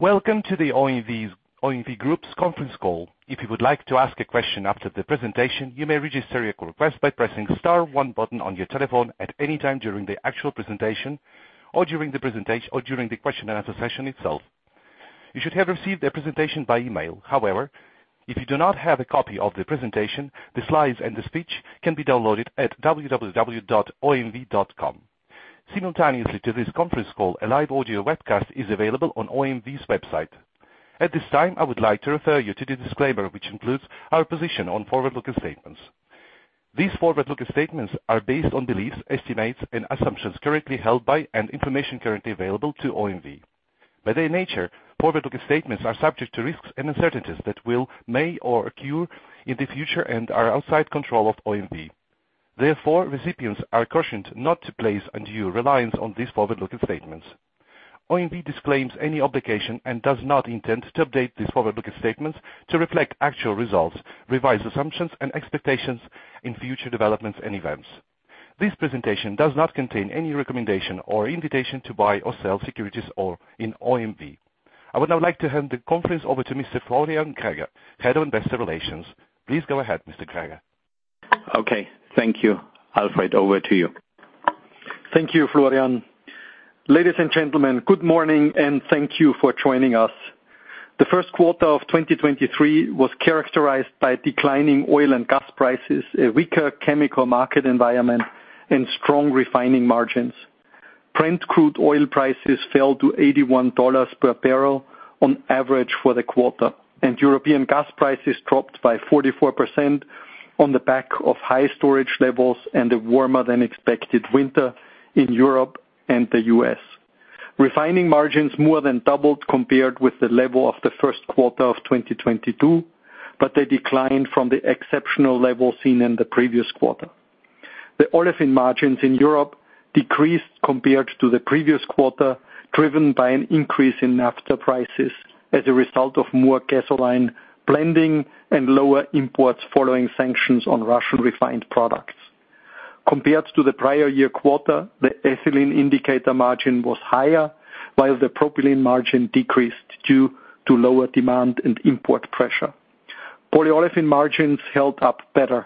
Welcome to the OMV Group's Conference Call. If you would like to ask a question after the presentation, you may register your request by pressing star one button on your telephone at any time during the actual presentation or during the question and answer session itself. You should have received a presentation by email. If you do not have a copy of the presentation, the slides and the speech can be downloaded at www.omv.com. Simultaneously to this Conference Call, a live audio webcast is available on OMV's website. At this time, I would like to refer you to the disclaimer, which includes our position on forward-looking statements. These forward-looking statements are based on beliefs, estimates, and assumptions currently held by and information currently available to OMV. By their nature, forward-looking statements are subject to risks and uncertainties that will, may, or occur in the future and are outside control of OMV. Therefore, recipients are cautioned not to place undue reliance on these forward-looking statements. OMV disclaims any obligation and does not intend to update these forward-looking statements to reflect actual results, revised assumptions and expectations in future developments and events. This presentation does not contain any recommendation or invitation to buy or sell securities or in OMV. I would now like to hand the conference over to Mr. Florian Greger, Head of Investor Relations. Please go ahead, Mr. Greger. Okay. Thank you. Alfred, over to you. Thank you, Florian. Ladies and gentlemen, good morning, and thank you for joining us. The first quarter of 2023 was characterized by declining oil and gas prices, a weaker chemical market environment, and strong refining margins. Brent crude oil prices fell to $81 per barrel on average for the quarter, and European gas prices dropped by 44% on the back of high storage levels and a warmer than expected winter in Europe and the U.S. Refining margins more than doubled compared with the level of the first quarter of 2022, but they declined from the exceptional level seen in the previous quarter. The olefin margins in Europe decreased compared to the previous quarter, driven by an increase in ether prices as a result of more gasoline blending and lower imports following sanctions on Russian refined products. Compared to the prior year quarter, the ethylene indicator margin was higher, while the propylene margin decreased due to lower demand and import pressure. Polyolefin margins held up better.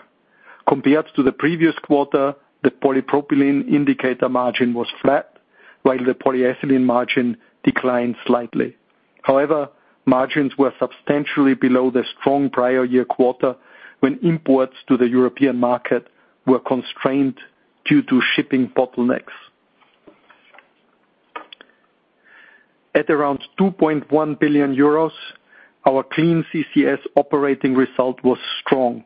Compared to the previous quarter, the polypropylene indicator margin was flat, while the polyethylene margin declined slightly. However, margins were substantially below the strong prior year quarter when imports to the European market were constrained due to shipping bottlenecks. At around 2.1 billion euros, our Clean CCS Operating Result was strong,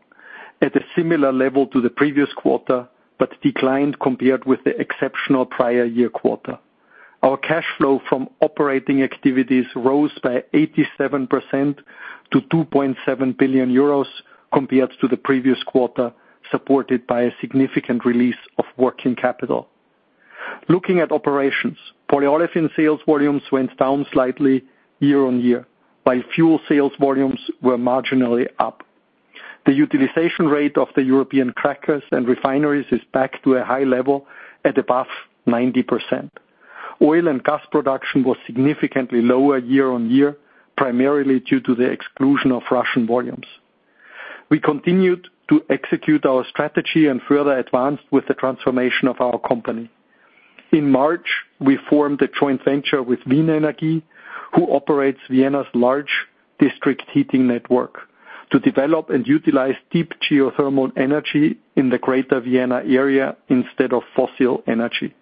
at a similar level to the previous quarter, but declined compared with the exceptional prior year quarter. Our cash flow from operating activities rose by 87% to 2.7 billion euros compared to the previous quarter, supported by a significant release of working capital. Looking at operations, polyolefin sales volumes went down slightly year-on-year, while fuel sales volumes were marginally up. The utilization rate of the European crackers and refineries is back to a high level at above 90%. Oil and gas production was significantly lower year-on-year, primarily due to the exclusion of Russian volumes. We continued to execute our strategy and further advanced with the transformation of our company. In March, we formed a joint venture with Wien Energie, who operates Vienna's large district heating network, to develop and utilize deep geothermal energy in the greater Vienna area instead of fossil energy.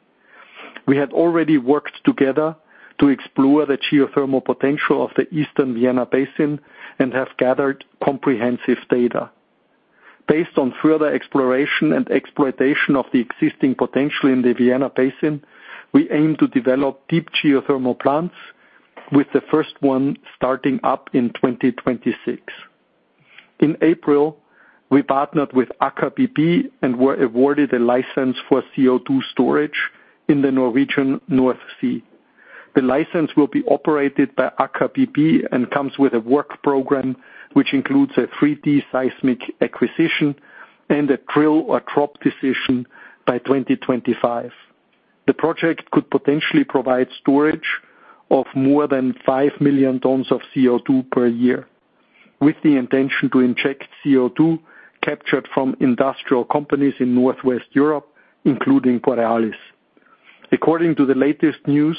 We had already worked together to explore the geothermal potential of the Eastern Vienna Basin and have gathered comprehensive data. Based on further exploration and exploitation of the existing potential in the Vienna Basin, we aim to develop deep geothermal plants with the first one starting up in 2026. In April, we partnered with Aker BP and were awarded a license for CO2 storage in the Norwegian North Sea. The license will be operated by Aker BP and comes with a work program, which includes a 3D seismic acquisition and a drill or drop decision by 2025. The project could potentially provide storage of more than 5 million tons of CO2 per year, with the intention to inject CO2 captured from industrial companies in Northwest Europe, including Borealis. According to the latest news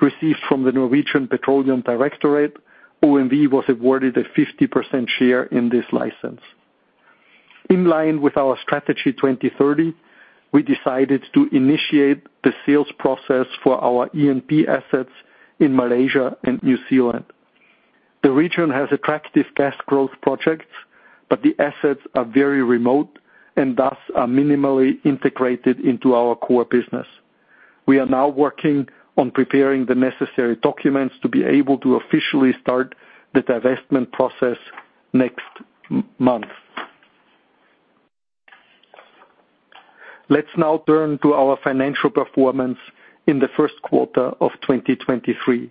received from the Norwegian Petroleum Directorate, OMV was awarded a 50% share in this license. In line with our Strategy 2030, we decided to initiate the sales process for our E&P assets in Malaysia and New Zealand. The region has attractive gas growth projects, but the assets are very remote and thus are minimally integrated into our core business. We are now working on preparing the necessary documents to be able to officially start the divestment process next month. Let's now turn to our financial performance in the first quarter of 2023.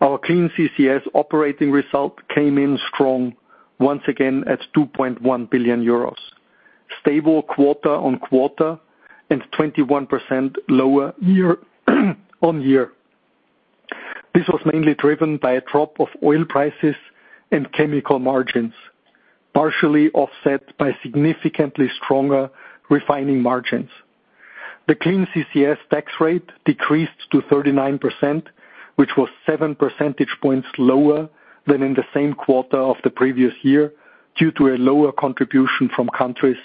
Our Clean CCS operating result came in strong once again at 2.1 billion euros. Stable quarter-on-quarter and 21% lower year-on-year. This was mainly driven by a drop of oil prices and chemical margins, partially offset by significantly stronger refining margins. The Clean CCS tax rate decreased to 39%, which was 7 percentage points lower than in the same quarter of the previous year, due to a lower contribution from countries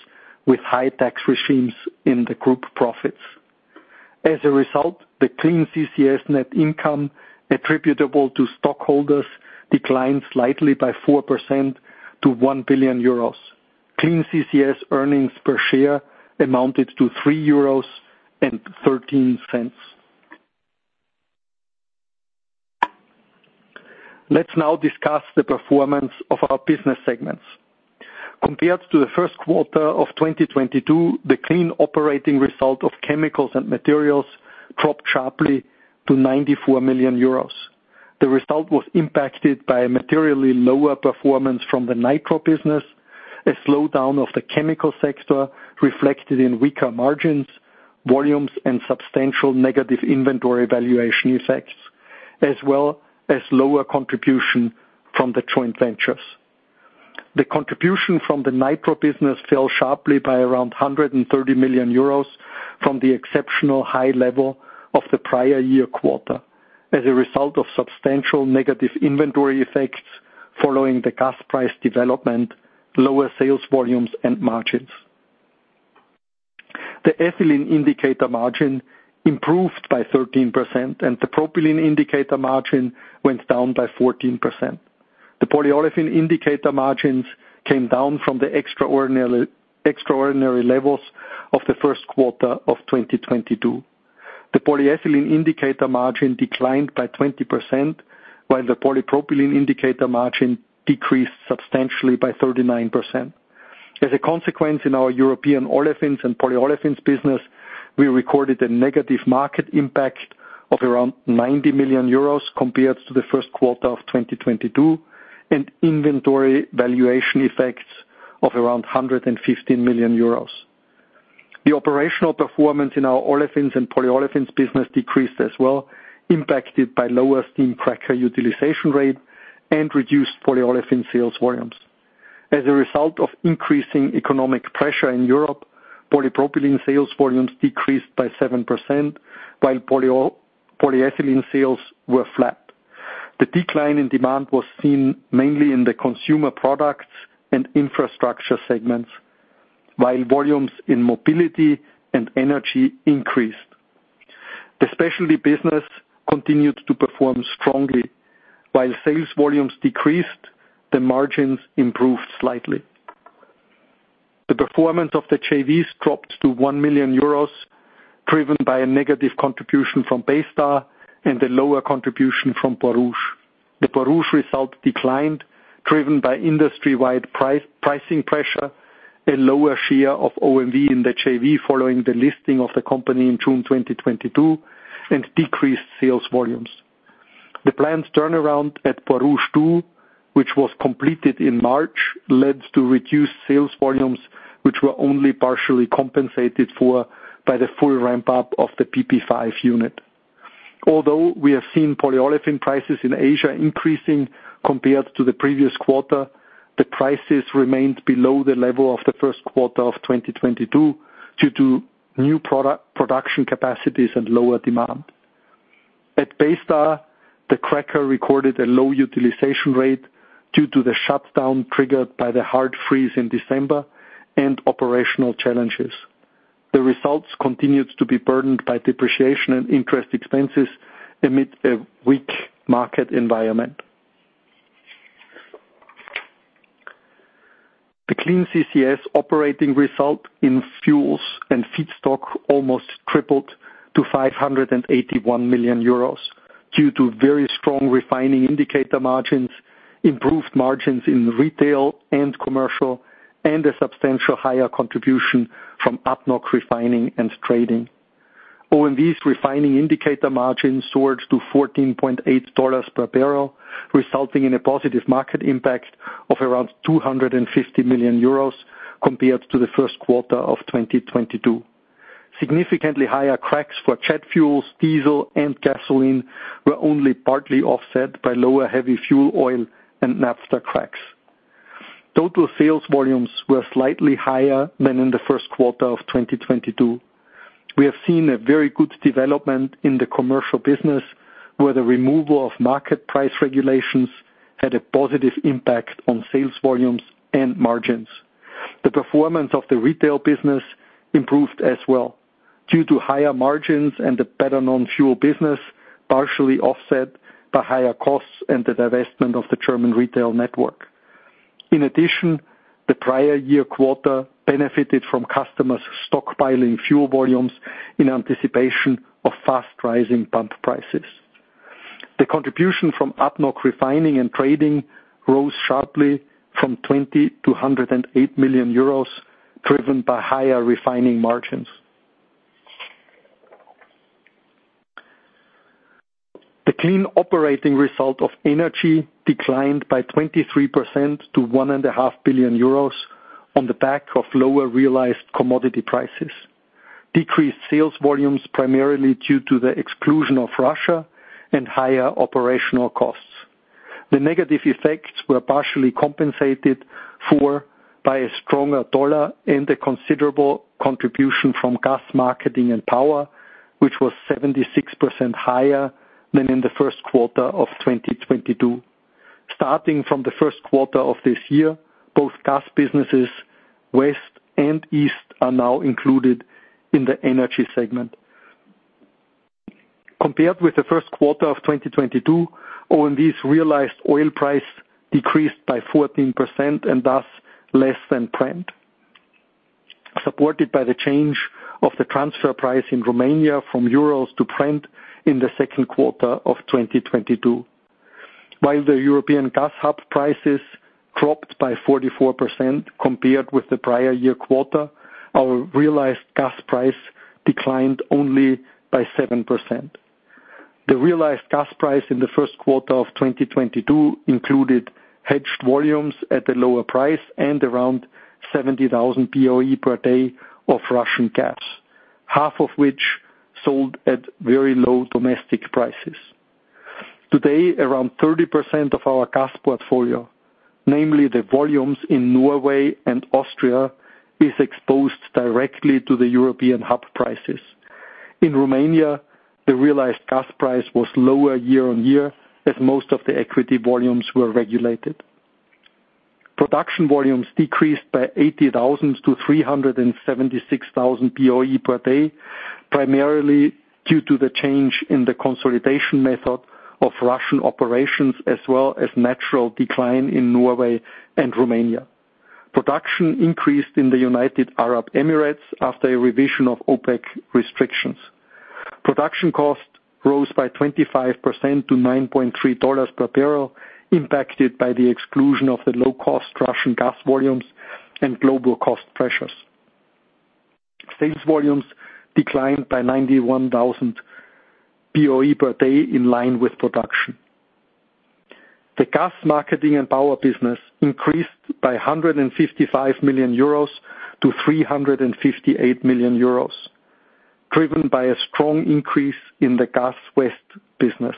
with high tax regimes in the group profits. As a result, the Clean CCS net income attributable to stockholders declined slightly by 4% to 1 billion euros. Clean CCS Earnings Per Share amounted to 3.13 euros. Let's now discuss the performance of our business segments. Compared to the first quarter of 2022, the clean operating result of chemicals and materials dropped sharply to 94 million euros. The result was impacted by a materially lower performance from the NITRO business, a slowdown of the chemical sector reflected in weaker margins, volumes and substantial negative inventory valuation effects, as well as lower contribution from the joint ventures. The contribution from the NITRO business fell sharply by around 130 million euros from the exceptional high level of the prior year quarter as a result of substantial negative inventory effects following the gas price development, lower sales volumes and margins. The ethylene indicator margin improved by 13% and the propylene indicator margin went down by 14%. The polyolefin indicator margins came down from the extraordinary levels of the first quarter of 2022. The polyethylene indicator margin declined by 20%, while the polypropylene indicator margin decreased substantially by 39%. As a consequence, in our European olefins and polyolefins business, we recorded a negative market impact of around 90 million euros compared to the first quarter of 2022, and inventory valuation effects of around 115 million euros. The operational performance in our olefins and polyolefins business decreased as well, impacted by lower steam cracker utilization rate and reduced polyolefin sales volumes. As a result of increasing economic pressure in Europe, polypropylene sales volumes decreased by 7%, while polyethylene sales were flat. The decline in demand was seen mainly in the consumer products and infrastructure segments, while volumes in mobility and energy increased. The specialty business continued to perform strongly. While sales volumes decreased, the margins improved slightly. The performance of the JVs dropped to 1 million euros, driven by a negative contribution from Baystar and a lower contribution from Borouge. The Borouge result declined, driven by industry-wide price-pricing pressure, a lower share of OMV in the JV following the listing of the company in June 2022, and decreased sales volumes. The planned turnaround at Borouge two, which was completed in March, led to reduced sales volumes, which were only partially compensated for by the full ramp-up of the PP5 unit. Although we have seen polyolefin prices in Asia increasing compared to the previous quarter, the prices remained below the level of the first quarter of 2022 due to new product-production capacities and lower demand. At Baystar, the cracker recorded a low utilization rate due to the shutdown triggered by the hard freeze in December and operational challenges. The results continued to be burdened by depreciation and interest expenses amid a weak market environment. The Clean CCS Operating Result in fuels and feedstock almost tripled to 581 million euros due to very strong refining indicator margins, improved margins in retail and commercial, and a substantial higher contribution from ADNOC Refining and Trading. OMV's refining indicator margins soared to $14.8 per barrel, resulting in a positive market impact of around 250 million euros compared to the first quarter of 2022. Significantly higher cracks for jet fuels, diesel and gasoline were only partly offset by lower heavy fuel oil and naphtha cracks. Total sales volumes were slightly higher than in the first quarter of 2022. We have seen a very good development in the commercial business, where the removal of market price regulations had a positive impact on sales volumes and margins. The performance of the retail business improved as well due to higher margins and the better non-fuel business, partially offset by higher costs and the divestment of the German retail network. In addition, the prior year quarter benefited from customers stockpiling fuel volumes in anticipation of fast-rising pump prices. The contribution from ADNOC Refining and Trading rose sharply from 20 million euros to 108 million euros, driven by higher refining margins. The clean operating result of energy declined by 23% to 1.5 billion euros on the back of lower realized commodity prices. Decreased sales volumes primarily due to the exclusion of Russia and higher operational costs. The negative effects were partially compensated for by a stronger dollar and a considerable contribution from gas marketing and power, which was 76% higher than in the first quarter of 2022. Starting from the first quarter of this year, both gas businesses, West and East, are now included in the energy segment. Compared with the first quarter of 2022, OMV's realized oil price decreased by 14% and thus less than Brent. Supported by the change of the transfer price in Romania from EUR to Brent in the second quarter of 2022. While the European gas hub prices dropped by 44% compared with the prior year quarter, our realized gas price declined only by 7%. The realized gas price in the first quarter of 2022 included hedged volumes at a lower price and around 70,000 BOE per day of Russian gas, half of which sold at very low domestic prices. Today, around 30% of our gas portfolio, namely the volumes in Norway and Austria, is exposed directly to the European hub prices. In Romania, the realized gas price was lower year-on-year as most of the equity volumes were regulated. Production volumes decreased by 80,000 to 376,000 BOE per day, primarily due to the change in the consolidation method of Russian operations, as well as natural decline in Norway and Romania. Production increased in the United Arab Emirates after a revision of OPEC restrictions. Production cost rose by 25% to $9.3 per barrel, impacted by the exclusion of the low-cost Russian gas volumes and global cost pressures. Sales volumes declined by 91,000 BOE per day in line with production. The gas marketing and power business increased by 155 million euros to 358 million euros, driven by a strong increase in the Gas West business.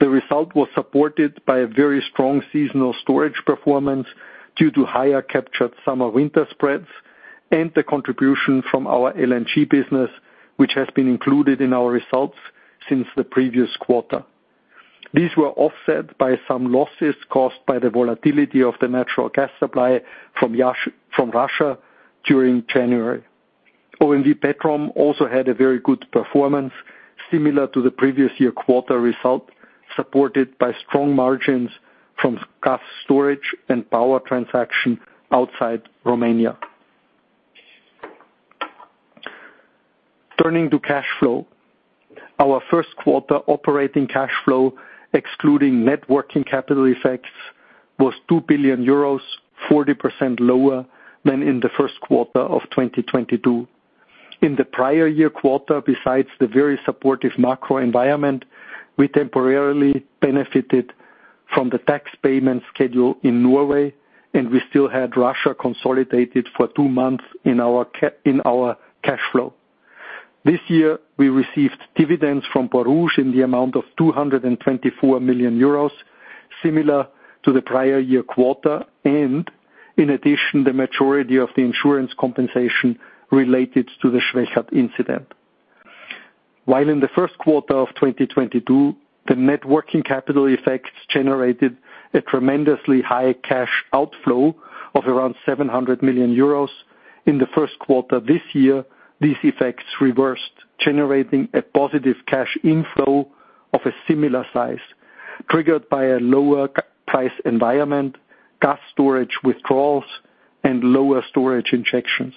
The result was supported by a very strong seasonal storage performance due to higher captured summer-winter spreads and the contribution from our LNG business, which has been included in our results since the previous quarter. These were offset by some losses caused by the volatility of the natural gas supply from Russia during January. OMV Petrom also had a very good performance similar to the previous year quarter result, supported by strong margins from gas storage and power transaction outside Romania. Turning to cash flow. Our first quarter operating cash flow, excluding net working capital effects, was 2 billion euros, 40% lower than in the first quarter of 2022. In the prior year quarter, besides the very supportive macro environment, we temporarily benefited from the tax payment schedule in Norway, and we still had Russia consolidated for two months in our cash flow. This year, we received dividends from Borouge in the amount of 224 million euros, similar to the prior year quarter, and in addition, the majority of the insurance compensation related to the Schwechat incident. While in the first quarter of 2022, the net working capital effects generated a tremendously high cash outflow of around 700 million euros. In the first quarter this year, these effects reversed, generating a positive cash inflow of a similar size, triggered by a lower c-price environment, gas storage withdrawals, and lower storage injections.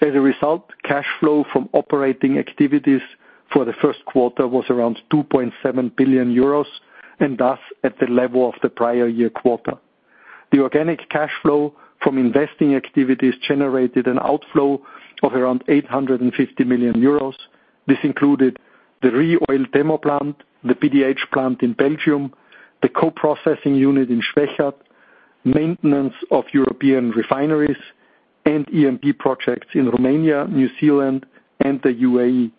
As a result, cash flow from operating activities for the first quarter was around 2.7 billion euros, and thus at the level of the prior year quarter. The organic cash flow from investing activities generated an outflow of around 850 million euros. This included the ReOil demo plant, the PDH plant in Belgium, the co-processing unit in Schwechat, maintenance of European refineries, and E&P projects in Romania, New Zealand, and the UAE.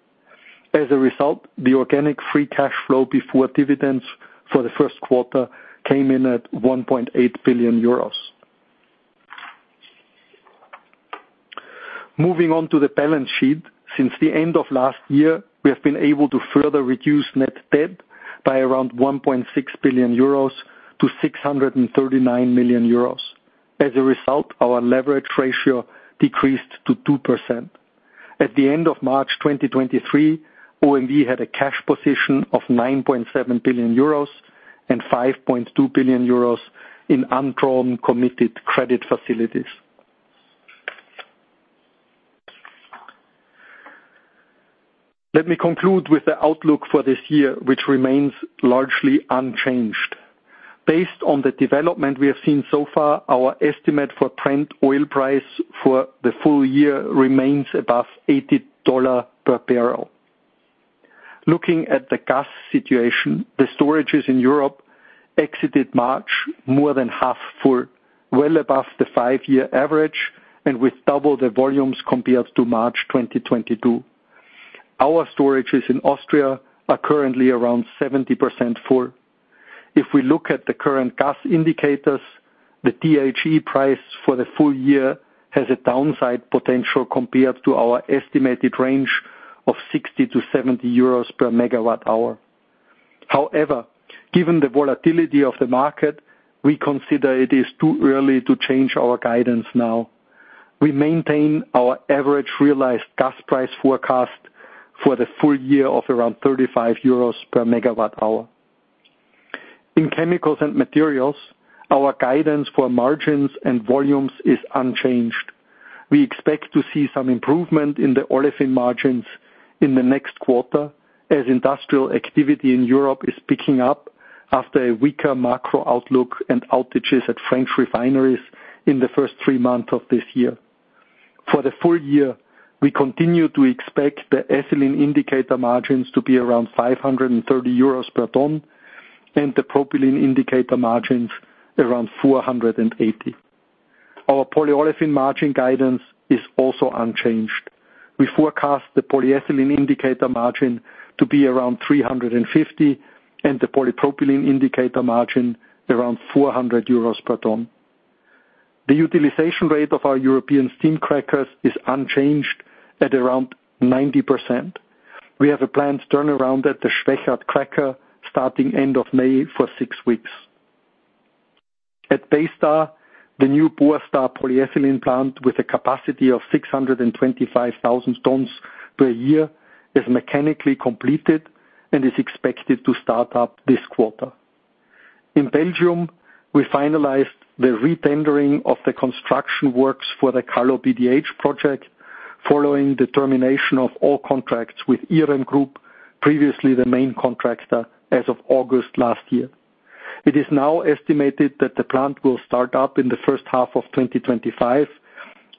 The organic free cash flow before dividends for the first quarter came in at 1.8 billion euros. Moving on to the balance sheet. Since the end of last year, we have been able to further reduce net debt by around 1.6 billion euros to 639 million euros. Our leverage ratio decreased to 2%. At the end of March 2023, OMV had a cash position of 9.7 billion euros and 5.2 billion euros in undrawn committed credit facilities. Let me conclude with the outlook for this year, which remains largely unchanged. Based on the development we have seen so far, our estimate for Brent oil price for the full year remains above $80 per barrel. Looking at the gas situation, the storages in Europe exited March more than half full, well above the five-year average and with double the volumes compared to March 2022. Our storages in Austria are currently around 70% full. Given the volatility of the market, we consider it is too early to change our guidance now. We maintain our average realized gas price forecast for the full year of around 35 euros per megawatt hour. In chemicals and materials, our guidance for margins and volumes is unchanged. We expect to see some improvement in the olefin margins in the next quarter as industrial activity in Europe is picking up after a weaker macro outlook and outages at French refineries in the first three months of this year. For the full year, we continue to expect the ethylene indicator margins to be around 530 euros per ton, and the propylene indicator margins around 480. Our polyolefin margin guidance is also unchanged. We forecast the polyethylene indicator margin to be around 350, and the polypropylene indicator margin around 400 euros per ton. The utilization rate of our European steam crackers is unchanged at around 90%. We have a planned turnaround at the Schwechat cracker starting end of May for six weeks. At Baystar, the new Borstar polyethylene plant with a capacity of 625,000 tons per year is mechanically completed and is expected to start up this quarter. In Belgium, we finalized the re-tendering of the construction works for the Kallo PDH project following the termination of all contracts with IREM Group, previously the main contractor as of August last year. It is now estimated that the plant will start up in the first half of 2025,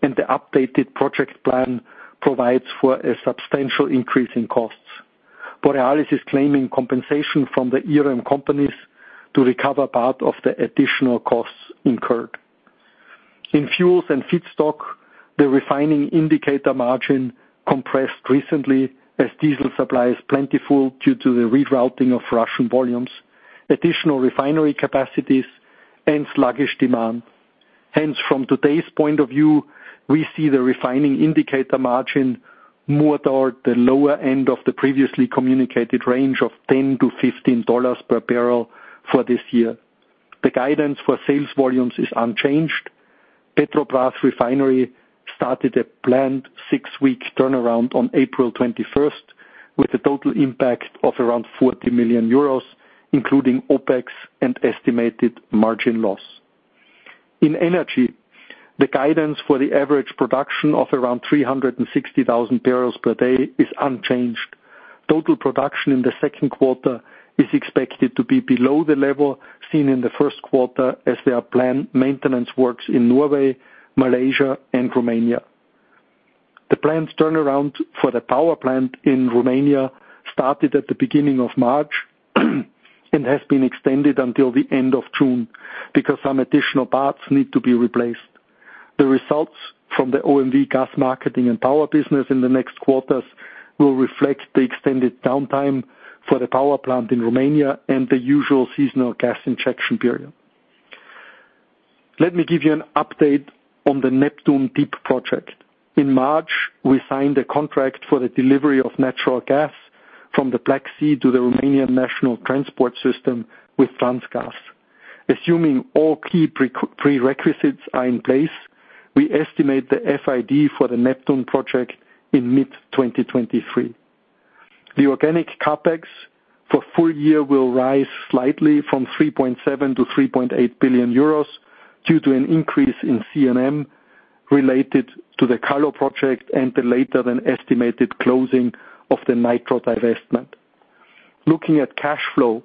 and the updated project plan provides for a substantial increase in costs. Borealis is claiming compensation from the IREM companies to recover part of the additional costs incurred. In fuels and feedstock, the refining indicator margin compressed recently as diesel supply is plentiful due to the rerouting of Russian volumes, additional refinery capacities and sluggish demand. From today's point of view, we see the refining indicator margin more toward the lower end of the previously communicated range of $10-$15 per barrel for this year. The guidance for sales volumes is unchanged. Petrobrazi refinery started a planned six-week turnaround on 21st April with a total impact of around 40 million euros, including OpEx and estimated margin loss. In energy, the guidance for the average production of around 360,000 barrels per day is unchanged. Total production in the second quarter is expected to be below the level seen in the first quarter as there are planned maintenance works in Norway, Malaysia and Romania. The planned turnaround for the power plant in Romania started at the beginning of March and has been extended until the end of June because some additional parts need to be replaced. The results from the OMV gas marketing and power business in the next quarters will reflect the extended downtime for the power plant in Romania and the usual seasonal gas injection period. Let me give you an update on the Neptun Deep project. In March, we signed a contract for the delivery of natural gas from the Black Sea to the Romanian National Transport System with Transgaz. Assuming all key pre-prerequisites are in place, we estimate the FID for the Neptun project in mid 2023. The organic capex for full year will rise slightly from 3.7 billion-3.8 billion euros due to an increase in CMM related to the Kallo project and the later than estimated closing of the NITRO divestment. Looking at cash flow,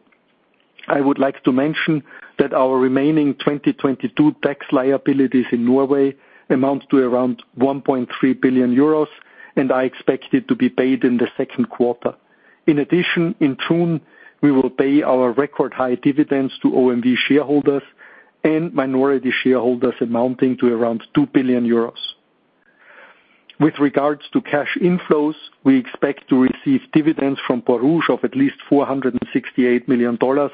I would like to mention that our remaining 2022 tax liabilities in Norway amount to around 1.3 billion euros, and are expected to be paid in the second quarter. In addition, in June, we will pay our record-high dividends to OMV shareholders and minority shareholders amounting to around 2 billion euros. With regards to cash inflows, we expect to receive dividends from Borouge of at least $468 million for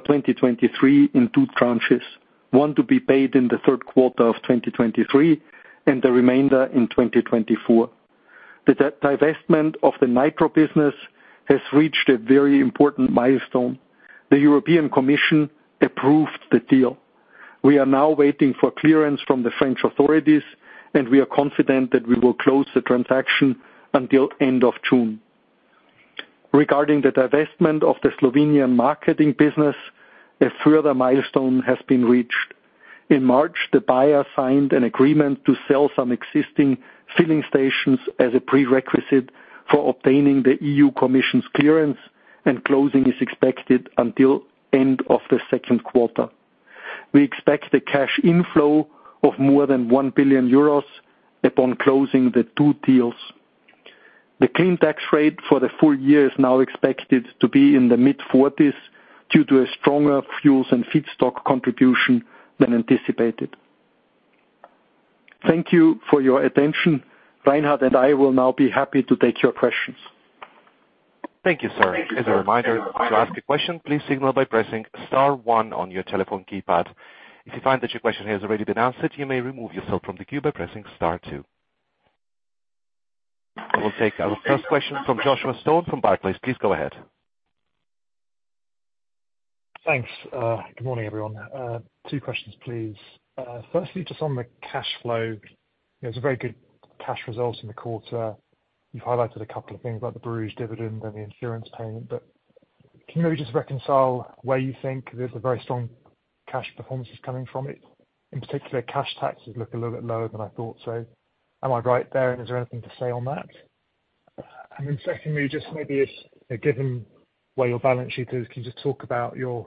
2023 in two tranches, one to be paid in the third quarter of 2023 and the remainder in 2024. The divestment of the NITRO business has reached a very important milestone. The European Commission approved the deal. We are now waiting for clearance from the French authorities. We are confident that we will close the transaction until end of June. Regarding the divestment of the Slovenian marketing business, a further milestone has been reached. In March, the buyer signed an agreement to sell some existing filling stations as a prerequisite for obtaining the EU Commission's clearance. Closing is expected until end of the second quarter. We expect the cash inflow of more than 1 billion euros upon closing the 2 deals. The clean tax rate for the full year is now expected to be in the mid-40s% due to a stronger fuels and feedstock contribution than anticipated. Thank you for your attention. Reinhard and I will now be happy to take your questions. Thank you, sir. As a reminder, to ask a question, please signal by pressing star one on your telephone keypad. If you find that your question has already been answered, you may remove yourself from the queue by pressing star two. I will take our first question from Joshua Stone from Barclays. Please go ahead. Thanks. Good morning, everyone. two questions, please. Firstly, just on the cash flow, you know, it's a very good cash result in the quarter. You've highlighted a couple of things about the Bruges dividend and the insurance payment. Can you just reconcile where you think the very strong cash performance is coming from? In particular, cash taxes look a little bit lower than I thought. Am I right there? Is there anything to say on that? Secondly, just maybe if, given where your balance sheet is, can you just talk about your,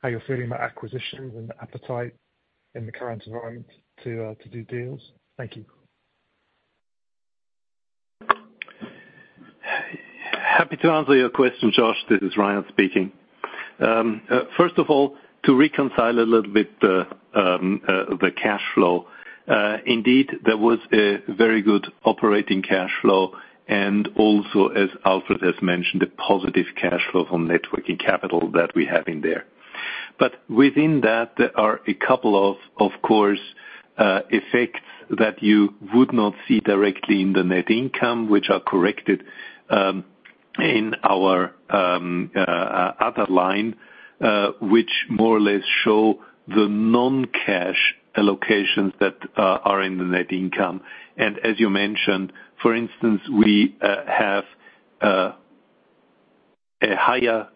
how you're feeling about acquisitions and appetite in the current environment to do deals? Thank you. Happy to answer your question, Josh. This is Reinhard speaking. First of all, to reconcile a little bit the cash flow. Indeed, there was a very good operating cash flow. Also, as Alfred has mentioned, a positive cash flow from networking capital that we have in there. Within that, there are a couple of course, effects that you would not see directly in the net income, which are corrected in our other line, which more or less show the non-cash allocations that are in the net income. As you mentioned, for instance, we have a higher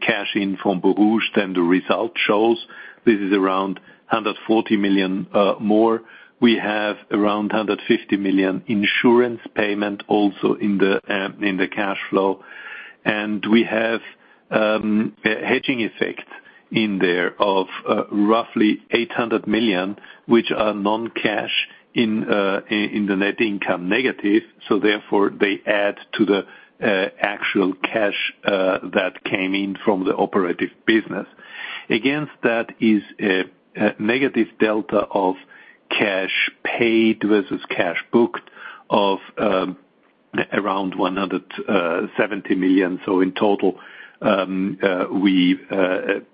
cash in from Borouge than the result shows. This is around 140 million more. We have around 150 million insurance payment also in the cash flow, and we have a hedging effect in there of roughly 800 million, which are non-cash in the net income negative. Therefore, they add to the actual cash that came in from the operative business. Against that is a negative delta of cash paid versus cash booked of around 170 million. In total, we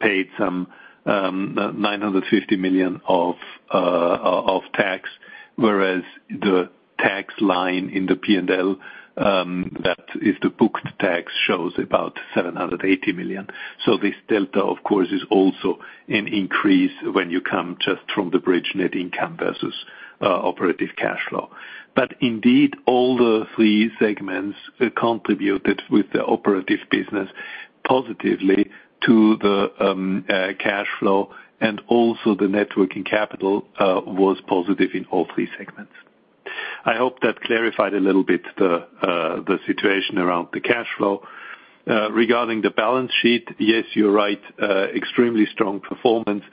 paid some 950 million of tax, whereas the tax line in the P&L that is the booked tax shows about 780 million. This delta, of course, is also an increase when you come just from the bridge net income versus operative cash flow. Indeed, all the three segments contributed with the operative business positively to the cash flow, and also the net working capital was positive in all three segments. I hope that clarified a little bit the situation around the cash flow. Regarding the balance sheet, yes, you're right, extremely strong performance.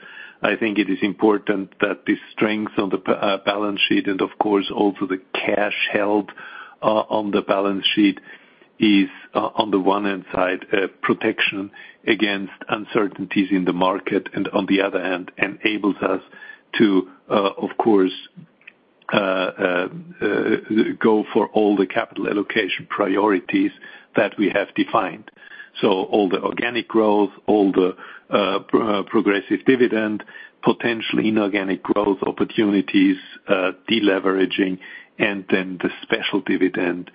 I think it is important that the strength on the balance sheet and of course, also the cash held on the balance sheet is, on the one hand side, a protection against uncertainties in the market, and on the other hand, enables us to, of course, go for all the capital allocation priorities that we have defined. All the organic growth, all the progressive dividend, potentially inorganic growth opportunities, deleveraging, and then the special dividend,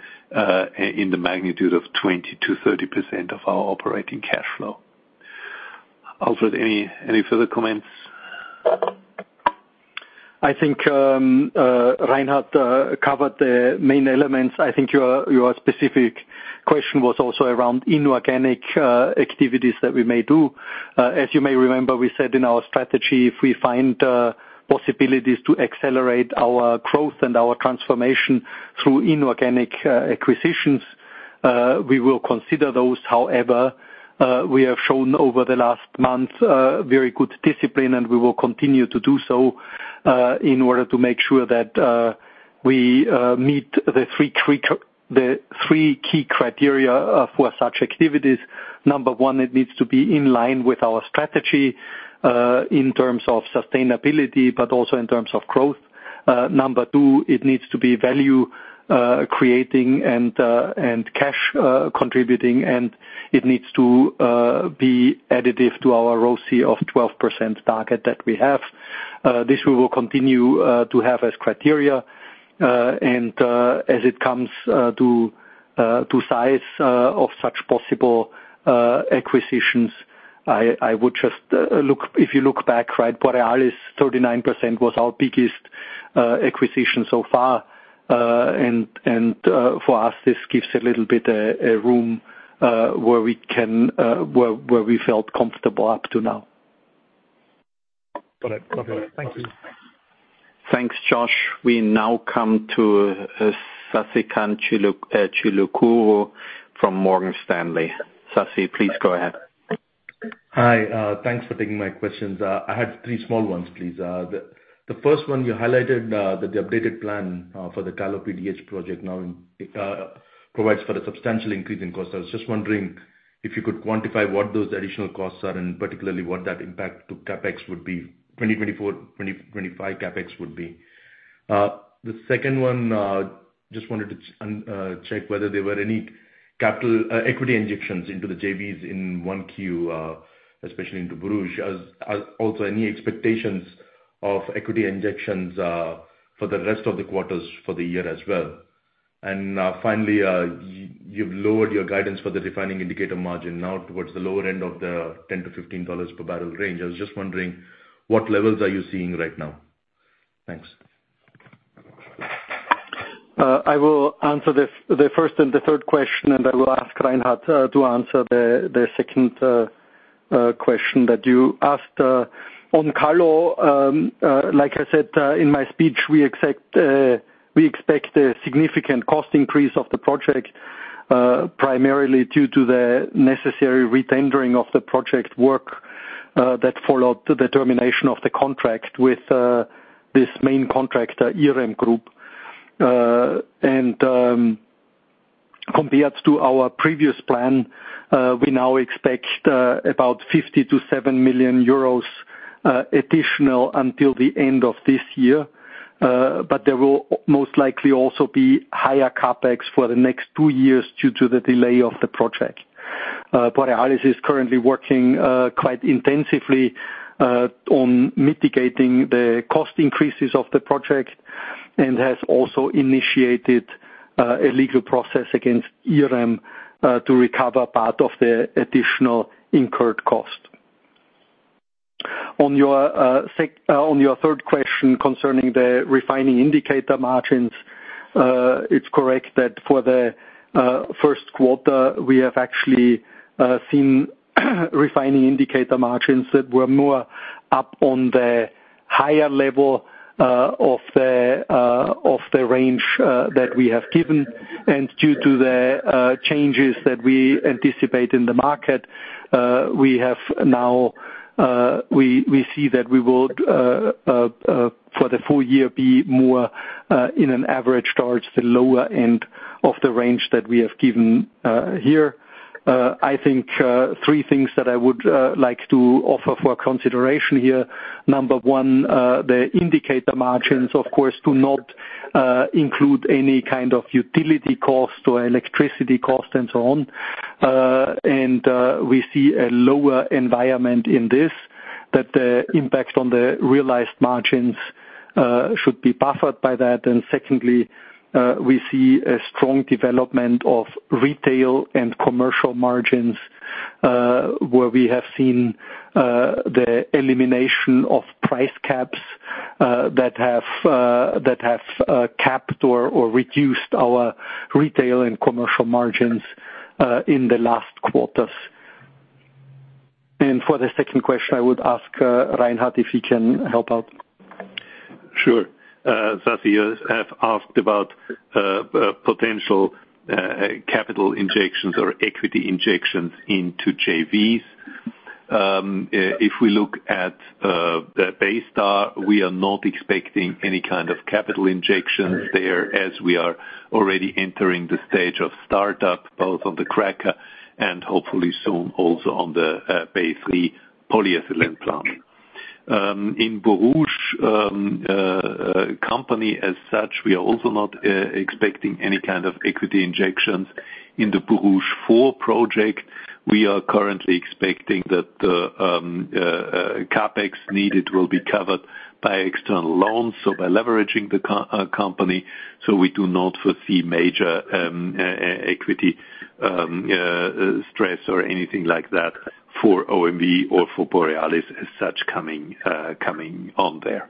in the magnitude of 20% to 30% of our operating cash flow. Alfred, any further comments? I think Reinhard covered the main elements. I think your specific question was also around inorganic activities that we may do. As you may remember, we said in our strategy, if we find possibilities to accelerate our growth and our transformation through inorganic acquisitions, we will consider those. However, we have shown over the last month very good discipline, and we will continue to do so in order to make sure that we meet the three key criteria for such activities. Number one, it needs to be in line with our strategy in terms of sustainability, but also in terms of growth. Number two, it needs to be value creating and cash contributing, and it needs to be additive to our ROCE of 12% target that we have. This we will continue to have as criteria. As it comes to size of such possible acquisitions, I would just look. If you look back, right, Borealis, 39% was our biggest acquisition so far, and for us, this gives a little bit a room where we can, where we felt comfortable up to now. Got it. Got it. Thank you. Thanks, Josh. We now come to, Sasikanth Chilukuru from Morgan Stanley. Sasi, please go ahead. Hi, thanks for taking my questions. I had three small ones, please. The first one, you highlighted that the updated plan for the Kallo PDH project now provides for a substantial increase in cost. I was just wondering if you could quantify what those additional costs are, and particularly what that impact to CapEx would be, 2024, 2025 CapEx. The second one, just wanted to check whether there were any capital equity injections into the JVs in Q1, especially into Borouge. Also any expectations of equity injections for the rest of the quarters for the year as well. Finally, you've lowered your guidance for the refining indicator margin now towards the lower end of the $10-$15 per barrel range. I was just wondering what levels are you seeing right now? Thanks. I will answer the first and the third question, and I will ask Reinhard to answer the second question that you asked. On Kallo, like I said in my speech, we expect a significant cost increase of the project, primarily due to the necessary retendering of the project work that followed the termination of the contract with this main contractor, IREM Group. Compared to our previous plan, we now expect about 50-7 million euros additional until the end of this year. There will most likely also be higher CapEx for the next two years due to the delay of the project. Borealis is currently working quite intensively on mitigating the cost increases of the project and has also initiated a legal process against Irem to recover part of the additional incurred cost. On your third question concerning the refining indicator margins, it's correct that for the first quarter we have actually seen refining indicator margins that were more up on the higher level of the range that we have given. Due to the changes that we anticipate in the market, we have now we see that we will for the full year be more in an average towards the lower end of the range that we have given here. I think three things that I would like to offer for consideration here. Number one, the indicator margins, of course, do not include any kind of utility cost or electricity cost and so on. We see a lower environment in this that impacts on the realized margins should be buffered by that. Secondly, we see a strong development of retail and commercial margins, where we have seen the elimination of price caps that have capped or reduced our retail and commercial margins in the last quarters. For the second question, I would ask Reinhard if he can help out. Sure. Sasi, you have asked about potential capital injections or equity injections into JVs. If we look at the Baystar, we are not expecting any kind of capital injections there as we are already entering the stage of startup, both on the cracker and hopefully soon also on the Baystar polyethylene plant. In Borouge, company as such, we are also not expecting any kind of equity injections. In the Borouge four project, we are currently expecting that capex needed will be covered by external loans, so by leveraging the company, so we do not foresee major equity stress or anything like that for OMV or for Borealis as such coming on there.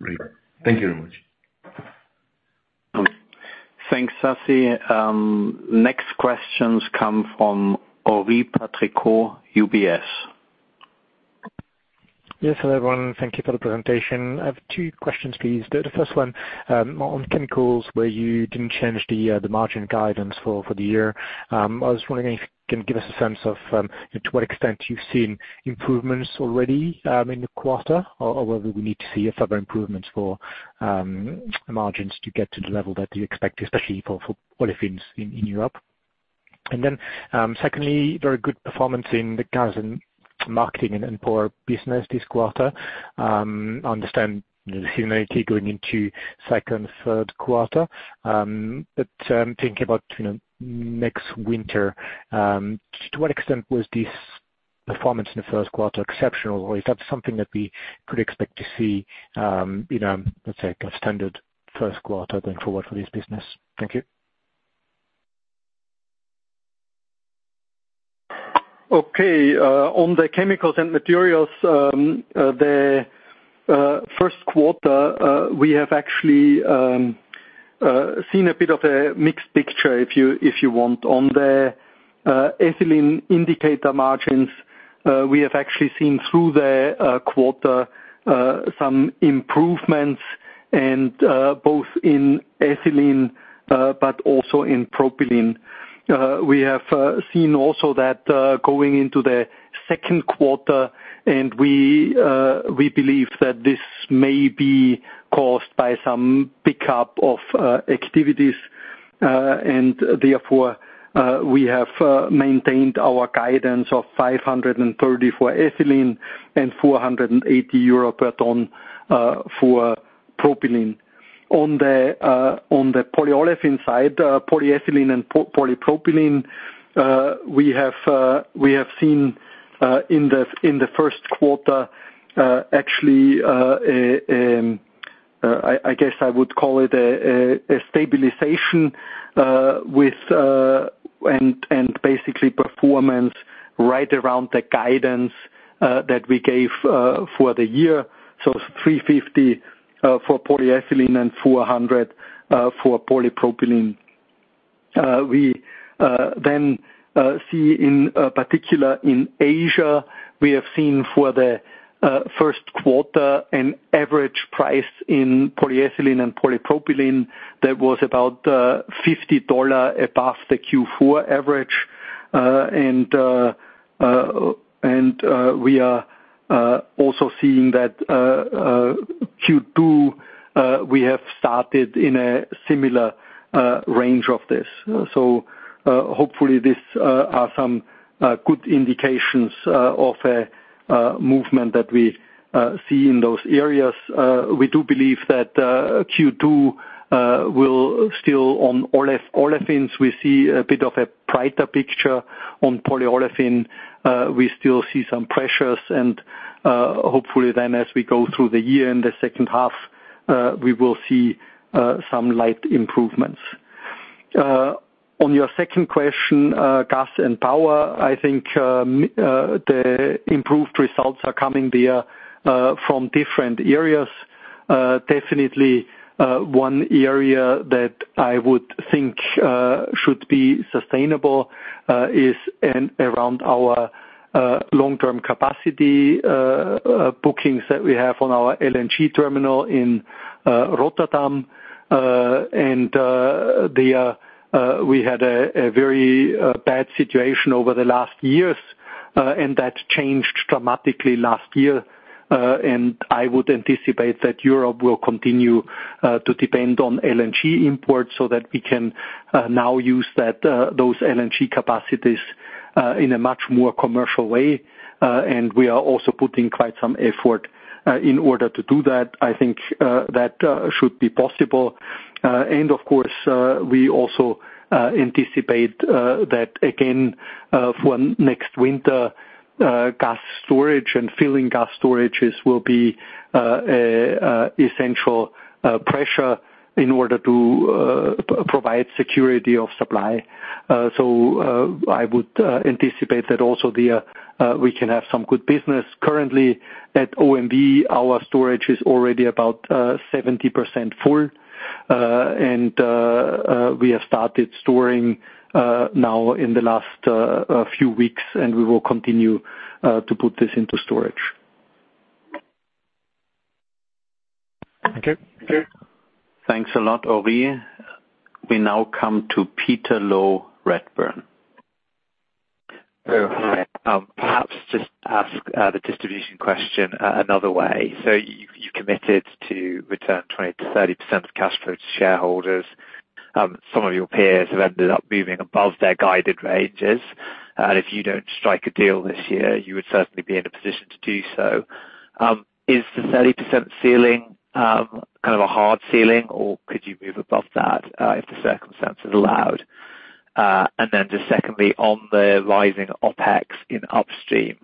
Great. Thank you very much. Thanks, Sasi. Next questions come from Henri Patricot, UBS. Yes, hello, everyone. Thank you for the presentation. I have two questions, please. The first one on chemicals, where you didn't change the margin guidance for the year. I was wondering if you can give us a sense of to what extent you've seen improvements already in the quarter or whether we need to see a further improvements for margins to get to the level that you expect, especially for olefins in Europe. Secondly, very good performance in the gas and marketing and power business this quarter. Understand the seasonality going into second and third quarter. Thinking about next winter, to what extent was this performance in the first quarter exceptional, or is that something that we could expect to see in a standard first quarter going forward for this business? Thank you. Okay. On the chemicals and materials, the first quarter, we have actually seen a bit of a mixed picture if you want. On the ethylene indicator margins, we have actually seen through the quarter some improvements and both in ethylene, but also in propylene. We have seen also that going into the second quarter, we believe that this may be caused by some pickup of activities. Therefore, we have maintained our guidance of 530 for ethylene and 480 euro per ton for propylene. On the on the polyolefin side, polyethylene and polypropylene, we have seen in the first quarter, actually, I guess I would call it a stabilization with. Basically performance right around the guidance that we gave for the year. So 350 for polyethylene and 400 for polypropylene. We then see in particular in Asia, we have seen for the first quarter an average price in polyethylene and polypropylene that was about $50 above the Q4 average. We are also seeing that Q2 we have started in a similar range of this. Hopefully this are some good indications of a movement that we see in those areas. We do believe that Q2 will still on olefins, we see a bit of a brighter picture. On polyolefin, we still see some pressures and hopefully then as we go through the year in the second half, we will see some light improvements. On your second question, gas and power, I think, the improved results are coming there from different areas. Definitely, one area that I would think should be sustainable is in around our long-term capacity bookings that we have on our LNG terminal in Rotterdam. The we had a very bad situation over the last years, and that changed dramatically last year. I would anticipate that Europe will continue to depend on LNG imports so that we can now use that those LNG capacities in a much more commercial way. We are also putting quite some effort in order to do that. I think that should be possible. Of course, we also anticipate that again for next winter, gas storage and filling gas storages will be essential pressure in order to provide security of supply. I would anticipate that also the we can have some good business. Currently at OMV, our storage is already about 70% full. We have started storing now in the last few weeks, and we will continue to put this into storage. Thank you. Okay. Thanks a lot, Henri. We now come to Peter Low, Redburn. Hi. Perhaps just ask the distribution question another way. You, you committed to return 20%-30% of cash flow to shareholders. Some of your peers have ended up moving above their guided ranges. If you don't strike a deal this year, you would certainly be in a position to do so. Is the 30% ceiling kind of a hard ceiling, or could you move above that if the circumstances allowed? Secondly, on the rising OpEx in upstream,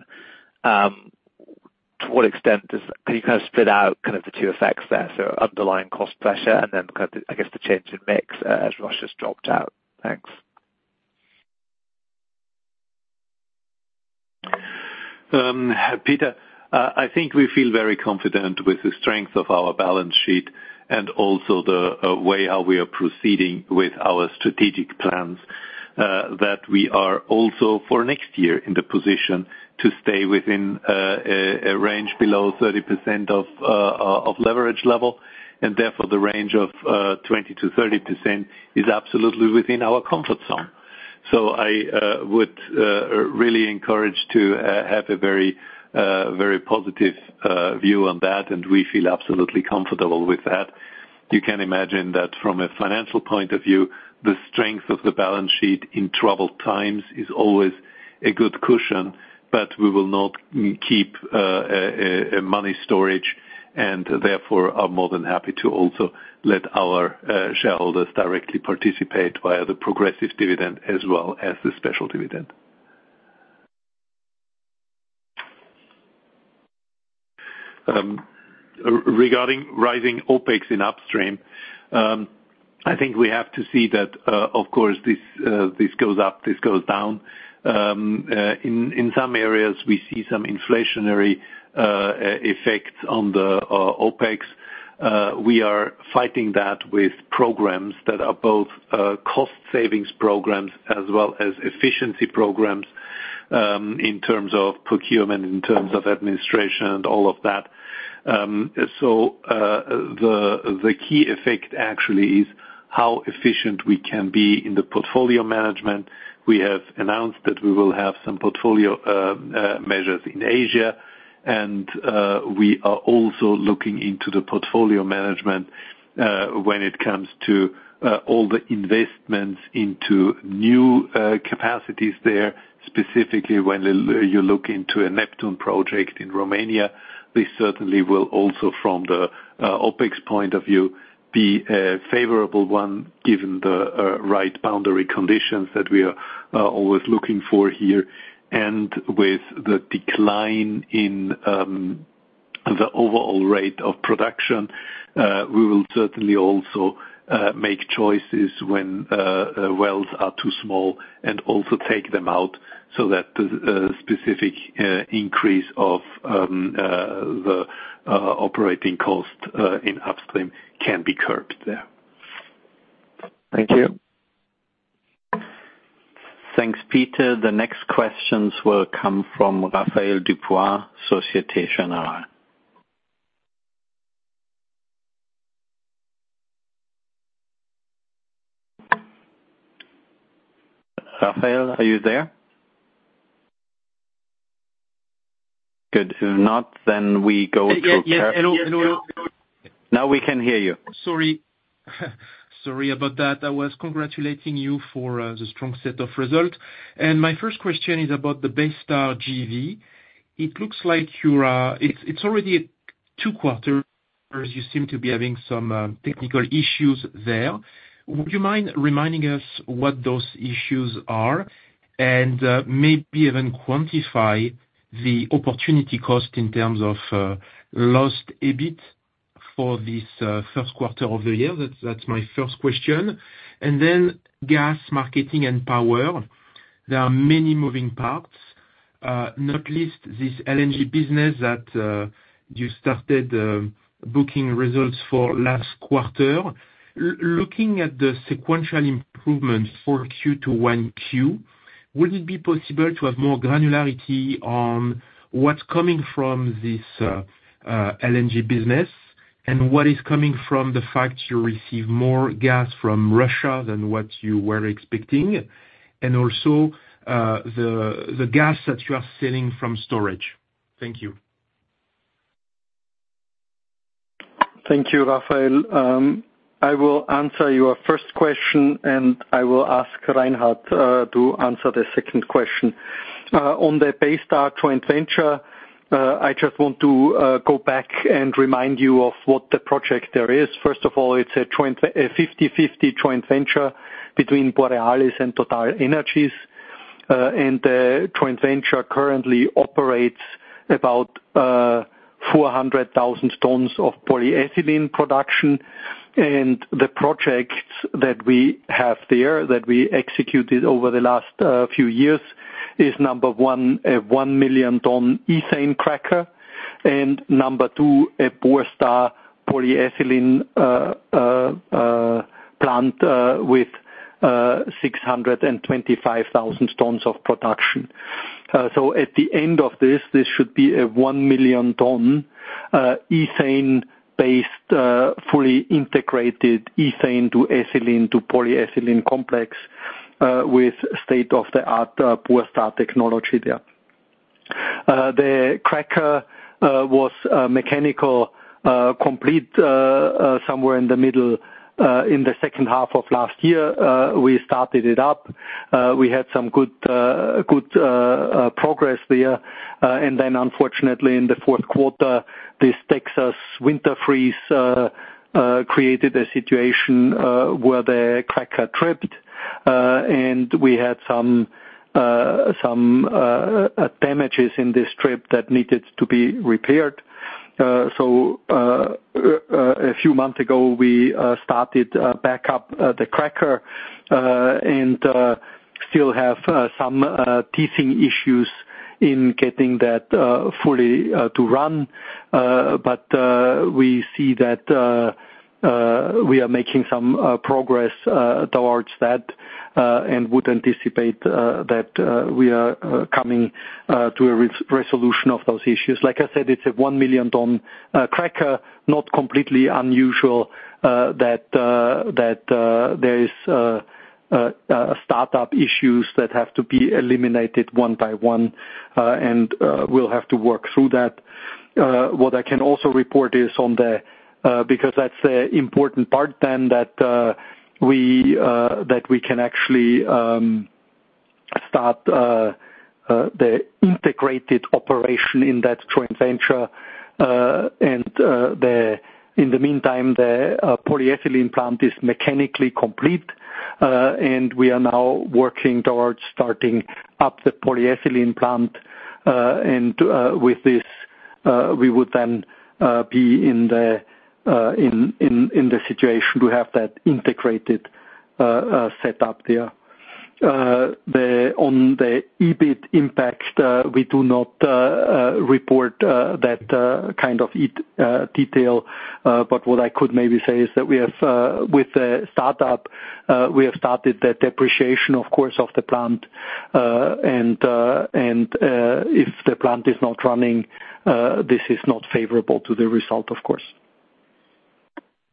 to what extent can you kind of split out the two effects there? Underlying cost pressure and then kind of, I guess, the change in mix as Russia's dropped out. Thanks. Peter, I think we feel very confident with the strength of our balance sheet and also the way how we are proceeding with our strategic plans, that we are also for next year in the position to stay within a range below 30% of leverage level, and therefore the range of 20%-30% is absolutely within our comfort zone. I would really encourage to have a very positive view on that, and we feel absolutely comfortable with that. You can imagine that from a financial point of view, the strength of the balance sheet in troubled times is always a good cushion. We will not keep a money storage and therefore are more than happy to also let our shareholders directly participate via the progressive dividend as well as the special dividend. Regarding rising OpEx in upstream, I think we have to see that, of course, this goes up, this goes down. In some areas we see some inflationary effects on the OpEx. We are fighting that with programs that are both cost savings programs as well as efficiency programs, in terms of procurement, in terms of administration, and all of that. The key effect actually is how efficient we can be in the portfolio management. We have announced that we will have some portfolio measures in Asia, we are also looking into the portfolio management when it comes to all the investments into new capacities there. Specifically when you look into a Neptun project in Romania, this certainly will also from the OpEx point of view, be a favorable one given the right boundary conditions that we are always looking for here. With the decline in the overall rate of production, we will certainly also make choices when wells are too small and also take them out so that the specific increase of the operating cost in upstream can be curbed there. Thank you. Thanks, Peter. The next questions will come from Raphael Dubois, Societe Generale. Raphael, are you there? Good. If not, we go to. Yes, hello. Now we can hear you. Sorry about that. I was congratulating you for the strong set of results. My first question is about the Baystar JV. It looks like it's already two quarters you seem to be having some technical issues there. Would you mind reminding us what those issues are and maybe even quantify the opportunity cost in terms of lost EBIT for this first quarter of the year? That's my first question. Then gas marketing and power. There are many moving parts, not least this LNG business that you started booking results for last quarter. Looking at the sequential improvements for 4Q to 1Q, would it be possible to have more granularity on what's coming from this LNG business and what is coming from the fact you receive more gas from Russia than what you were expecting, and the gas that you are selling from storage? Thank you. Thank you, Raphael. I will answer your first question, and I will ask Reinhard to answer the second question. On the Baystar joint venture, I just want to go back and remind you of what the project there is. First of all, it's a 50/50 joint venture between Borealis and TotalEnergies. The joint venture currently operates about 400,000 tons of polyethylene production. The projects that we have there, that we executed over the last few years is, number one, a 1 million ton ethane cracker. Number two, a Borstar polyethylene plant with 625,000 tons of production. At the end of this should be a 1 million ton ethane-based, fully integrated ethane to ethylene to polyethylene complex with state-of-the-art Borstar technology there. The cracker was mechanical complete somewhere in the middle in the second half of last year. We started it up. We had some good progress there. Unfortunately in the fourth quarter, this Texas winter freeze created a situation where the cracker tripped. We had some damages in this trip that needed to be repaired. A few months ago we started back up the cracker and still have some teething issues in getting that fully to run. We see that we are making some progress towards that and would anticipate that we are coming to a resolution of those issues. Like I said, it's a 1 million tons cracker, not completely unusual that there is startup issues that have to be eliminated one by one, and we'll have to work through that. What I can also report is on the because that's an important part then that we can actually start the integrated operation in that joint venture. In the meantime, the polyethylene plant is mechanically complete. We are now working towards starting up the polyethylene plant. With this, we would then be in the situation to have that integrated set up there. On the EBIT impact, we do not report that kind of detail. What I could maybe say is that we have with the startup, we have started the depreciation of course of the plant. If the plant is not running, this is not favorable to the result of course.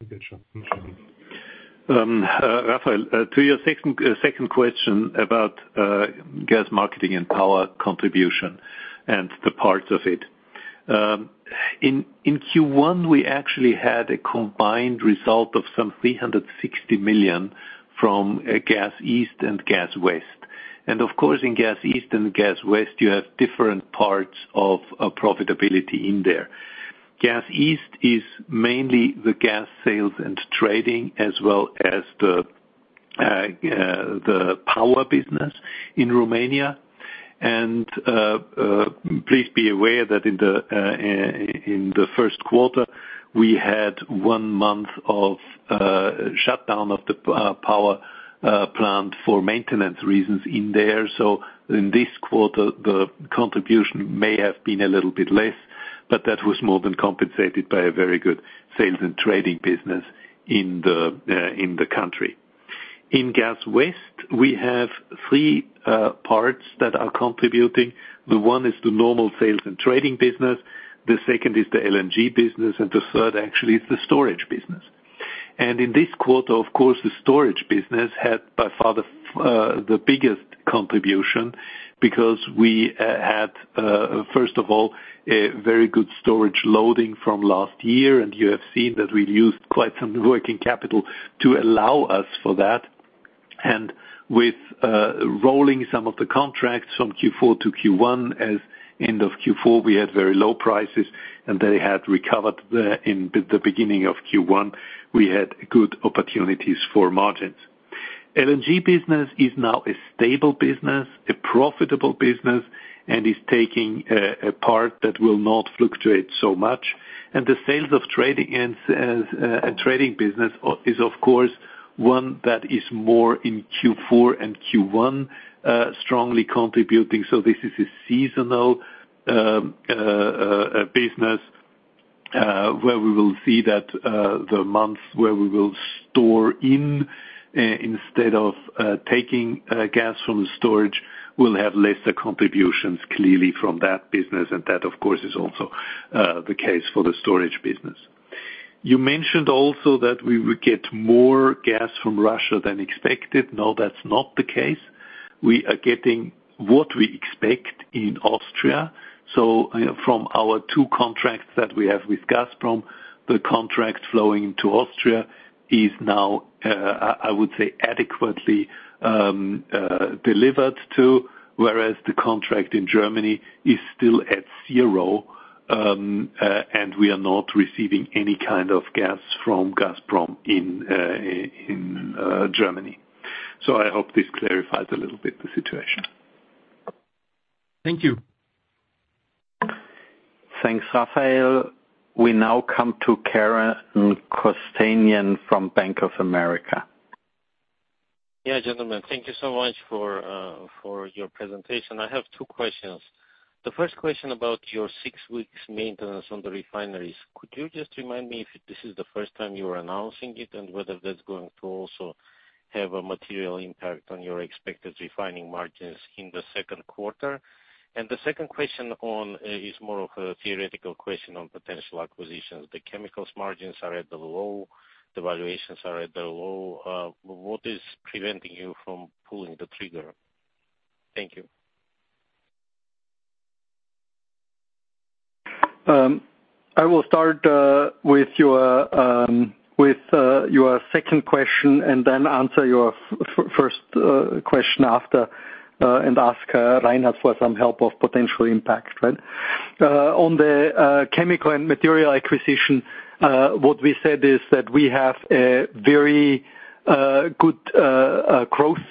Good. Sure. Mm-hmm. Raphael, to your second question about gas marketing and power contribution and the parts of it. In Q1, we actually had a combined result of some 360 million from Gas East and Gas West. Of course, in Gas East and Gas West, you have different parts of profitability in there. Gas East is mainly the gas sales and trading, as well as the power business in Romania. Please be aware that in the first quarter, we had one month of shutdown of the power plant for maintenance reasons in there. In this quarter, the contribution may have been a little bit less, but that was more than compensated by a very good sales and trading business in the country. In Gas West, we have three parts that are contributing. The one is the normal sales and trading business, the second is the LNG business, and the third actually is the storage business. In this quarter, of course, the storage business had by far the biggest contribution because we had first of all, a very good storage loading from last year. You have seen that we've used quite some working capital to allow us for that. With rolling some of the contracts from Q4 to Q1, as end of Q4, we had very low prices, they had recovered in the beginning of Q1. We had good opportunities for margins. LNG business is now a stable business, a profitable business, and is taking a part that will not fluctuate so much. The sales of trading and a trading business is of course, one that is more in Q4 and Q1, strongly contributing. This is a seasonal business, where we will see that the months where we will store in, instead of taking gas from the storage, we'll have lesser contributions clearly from that business. That of course is also the case for the storage business. You mentioned also that we would get more gas from Russia than expected. No, that's not the case. We are getting what we expect in Austria. From our two contracts that we have with Gazprom, the contract flowing into Austria is now, I would say adequately delivered to. The contract in Germany is still at zero, and we are not receiving any kind of gas from Gazprom in Germany. I hope this clarifies a little bit the situation. Thank you. Thanks, Raphael. We now come to Karen Kostanian from Bank of America. Yeah, gentlemen. Thank you so much for your presentation. I have two questions. The first question about your six weeks maintenance on the refineries. Could you just remind me if this is the first time you are announcing it, and whether that's going to also have a material impact on your expected refining margins in the second quarter? The second question on is more of a theoretical question on potential acquisitions. The chemicals margins are at the low, the valuations are at the low. What is preventing you from pulling the trigger? Thank you. I will start with your second question and then answer your first question after and ask Reinhard for some help of potential impact. Right?zOn the chemical and material acquisition, what we said is that we have a very good growth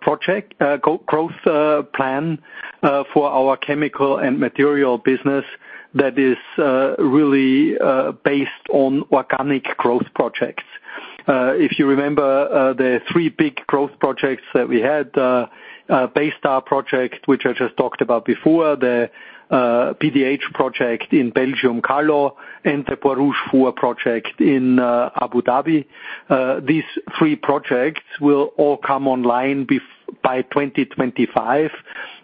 project growth plan for our chemical and material business that is really based on organic growth projects. If you remember, the three big growth projects that we had, Baystar project, which I just talked about before, the PDH project in Belgium, Kallo, and the Borouge four project in Abu Dhabi. These three projects will all come online by 2025,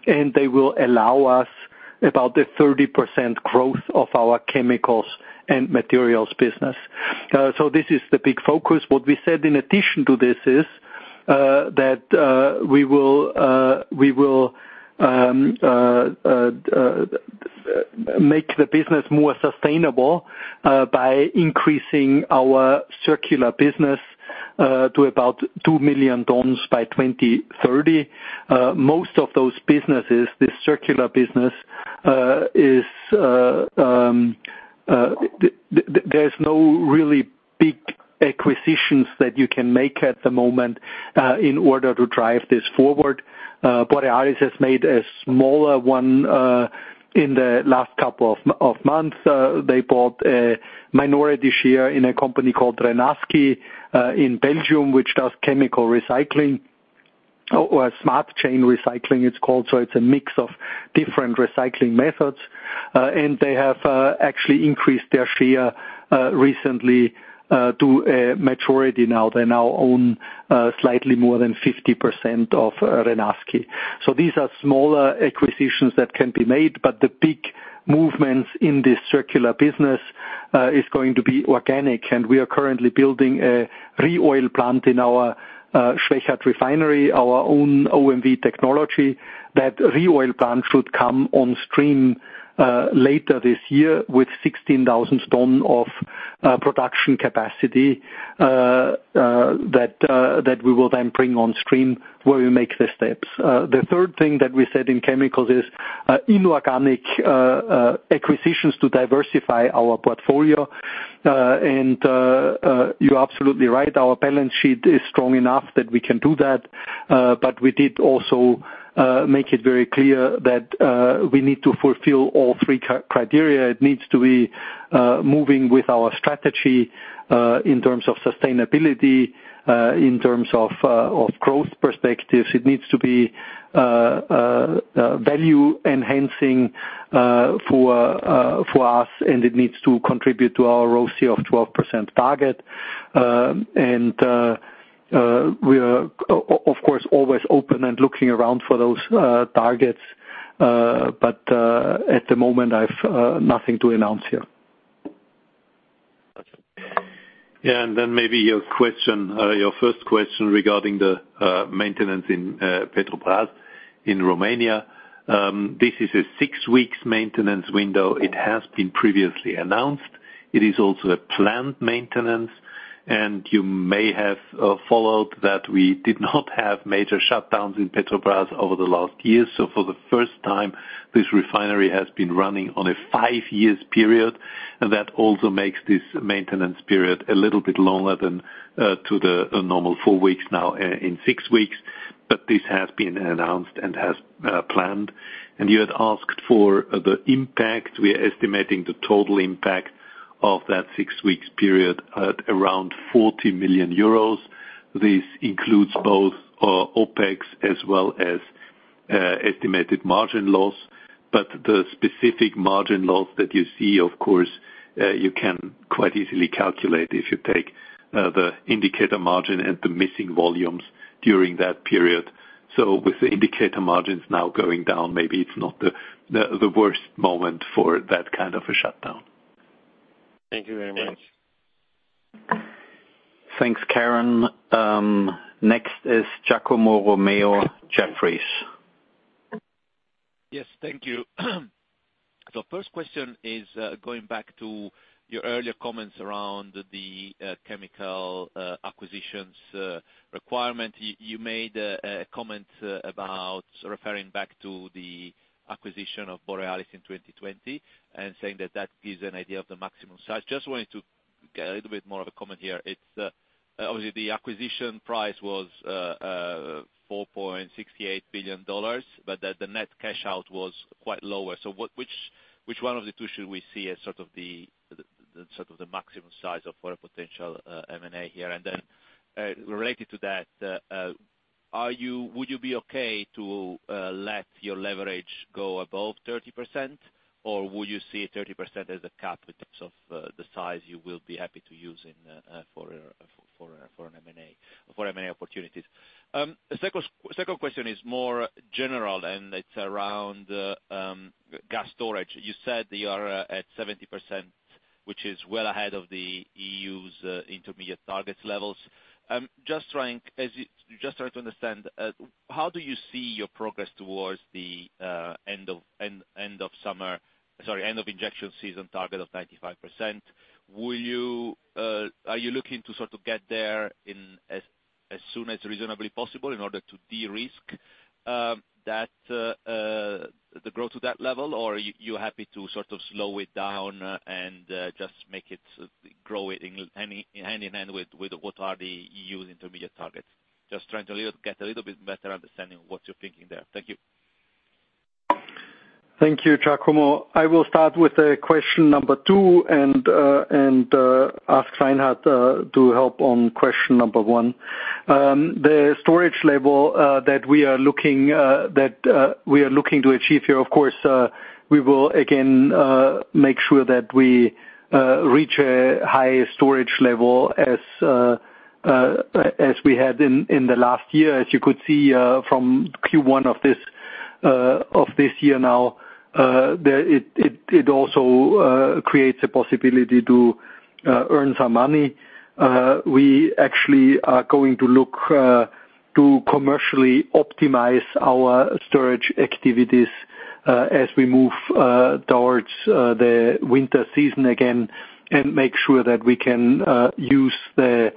and they will allow us about a 30% growth of our chemicals and materials business. This is the big focus. What we said in addition to this is that we will make the business more sustainable by increasing our circular business to about 2 million tons by 2030. Most of those businesses, the circular business, is there's no really big acquisitions that you can make at the moment in order to drive this forward. Borealis has made a smaller one in the last couple of months. They bought a minority share in a company called Renasci in Belgium, which does chemical recycling, or smart chain recycling, it's called. It's a mix of different recycling methods. They have actually increased their share recently to a majority now. They now own, slightly more than 50% of Renasci. These are smaller acquisitions that can be made, but the big movements in this circular business is going to be organic. We are currently building a ReOil plant in our Schwechat refinery, our own OMV technology. That ReOil plant should come on stream later this year with 16,000 tons of production capacity that we will then bring on stream where we make the steps. The third thing that we said in chemicals is inorganic acquisitions to diversify our portfolio. You're absolutely right, our balance sheet is strong enough that we can do that. We did also make it very clear that we need to fulfill all three criteria. It needs to be moving with our strategy, in terms of sustainability, in terms of growth perspectives. It needs to be value enhancing for us, and it needs to contribute to our ROCE of 12% target. We are of course, always open and looking around for those targets. At the moment, I've nothing to announce here. Yeah. Maybe your first question regarding the maintenance in Petrobrazi in Romania. This is a 6 weeks maintenance window. It has been previously announced. It is also a planned maintenance. You may have followed that we did not have major shutdowns in Petrobrazi over the last year. For the first time, this refinery has been running on a five years period, and that also makes this maintenance period a little bit longer than to the normal four weeks now in six weeks. This has been announced and has planned. You had asked for the impact. We are estimating the total impact of that 6 weeks period at around 40 million euros. This includes both OPEX as well as estimated margin loss. The specific margin loss that you see, of course, you can quite easily calculate if you take the indicator margin and the missing volumes during that period. With the indicator margins now going down, maybe it's not the worst moment for that kind of a shutdown. Thank you very much. Thanks, Karen. Next is Giacomo Romeo, Jefferies. Yes. Thank you. First question is, going back to your earlier comments around the chemical acquisitions requirement. You made a comment about referring back to the acquisition of Borealis in 2020 and saying that that gives an idea of the maximum size. Just wanted to get a little bit more of a comment here. It's obviously the acquisition price was $4.68 billion, but the net cash out was quite lower. Which one of the two should we see as sort of the maximum size of what a potential M&A here? Related to that, would you be okay to let your leverage go above 30%? Will you see 30% as a cap interms of the size you will be happy to use in for M&A opportunities? The second question is more general, and it's around gas storage. You said you are at 70%, which is well ahead of the EU's intermediate target levels. Just trying to understand how do you see your progress towards the end of summer. Sorry, end of injection season target of 95%. Will you, are you looking to sort of get there in as soon as reasonably possible in order to de-risk that the growth to that level? You happy to sort of slow it down and just make it grow it in any hand in hand with what are the EU's intermediate targets? Just trying to get a little bit better understanding of what you're thinking there. Thank you. Thank you, Giacomo. I will start with question number two and ask Reinhard to help on question number one. The storage level that we are looking to achieve here, of course, we will again make sure that we reach a high storage level as we had in the last year. As you could see from Q1 of this year now, that it also creates a possibility to earn some money. We actually are going to look to commercially optimize our storage activities as we move towards the winter season again and make sure that we can use the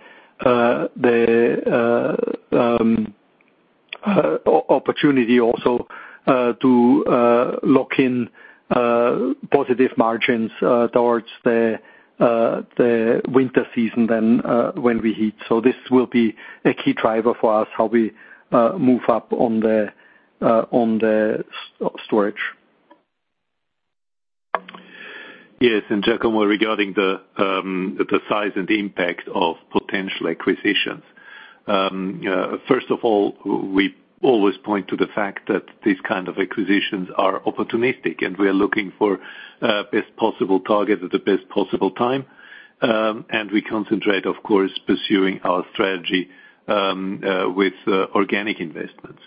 opportunity also to lock in positive margins towards the winter season then when we heat. This will be a key driver for us, how we move up on the storage. Yes. Giacomo, regarding the size and impact of potential acquisitions, first of all, we always point to the fact that these kind of acquisitions are opportunistic, and we are looking for best possible target at the best possible time. We concentrate, of course, pursuing our strategy with organic investments.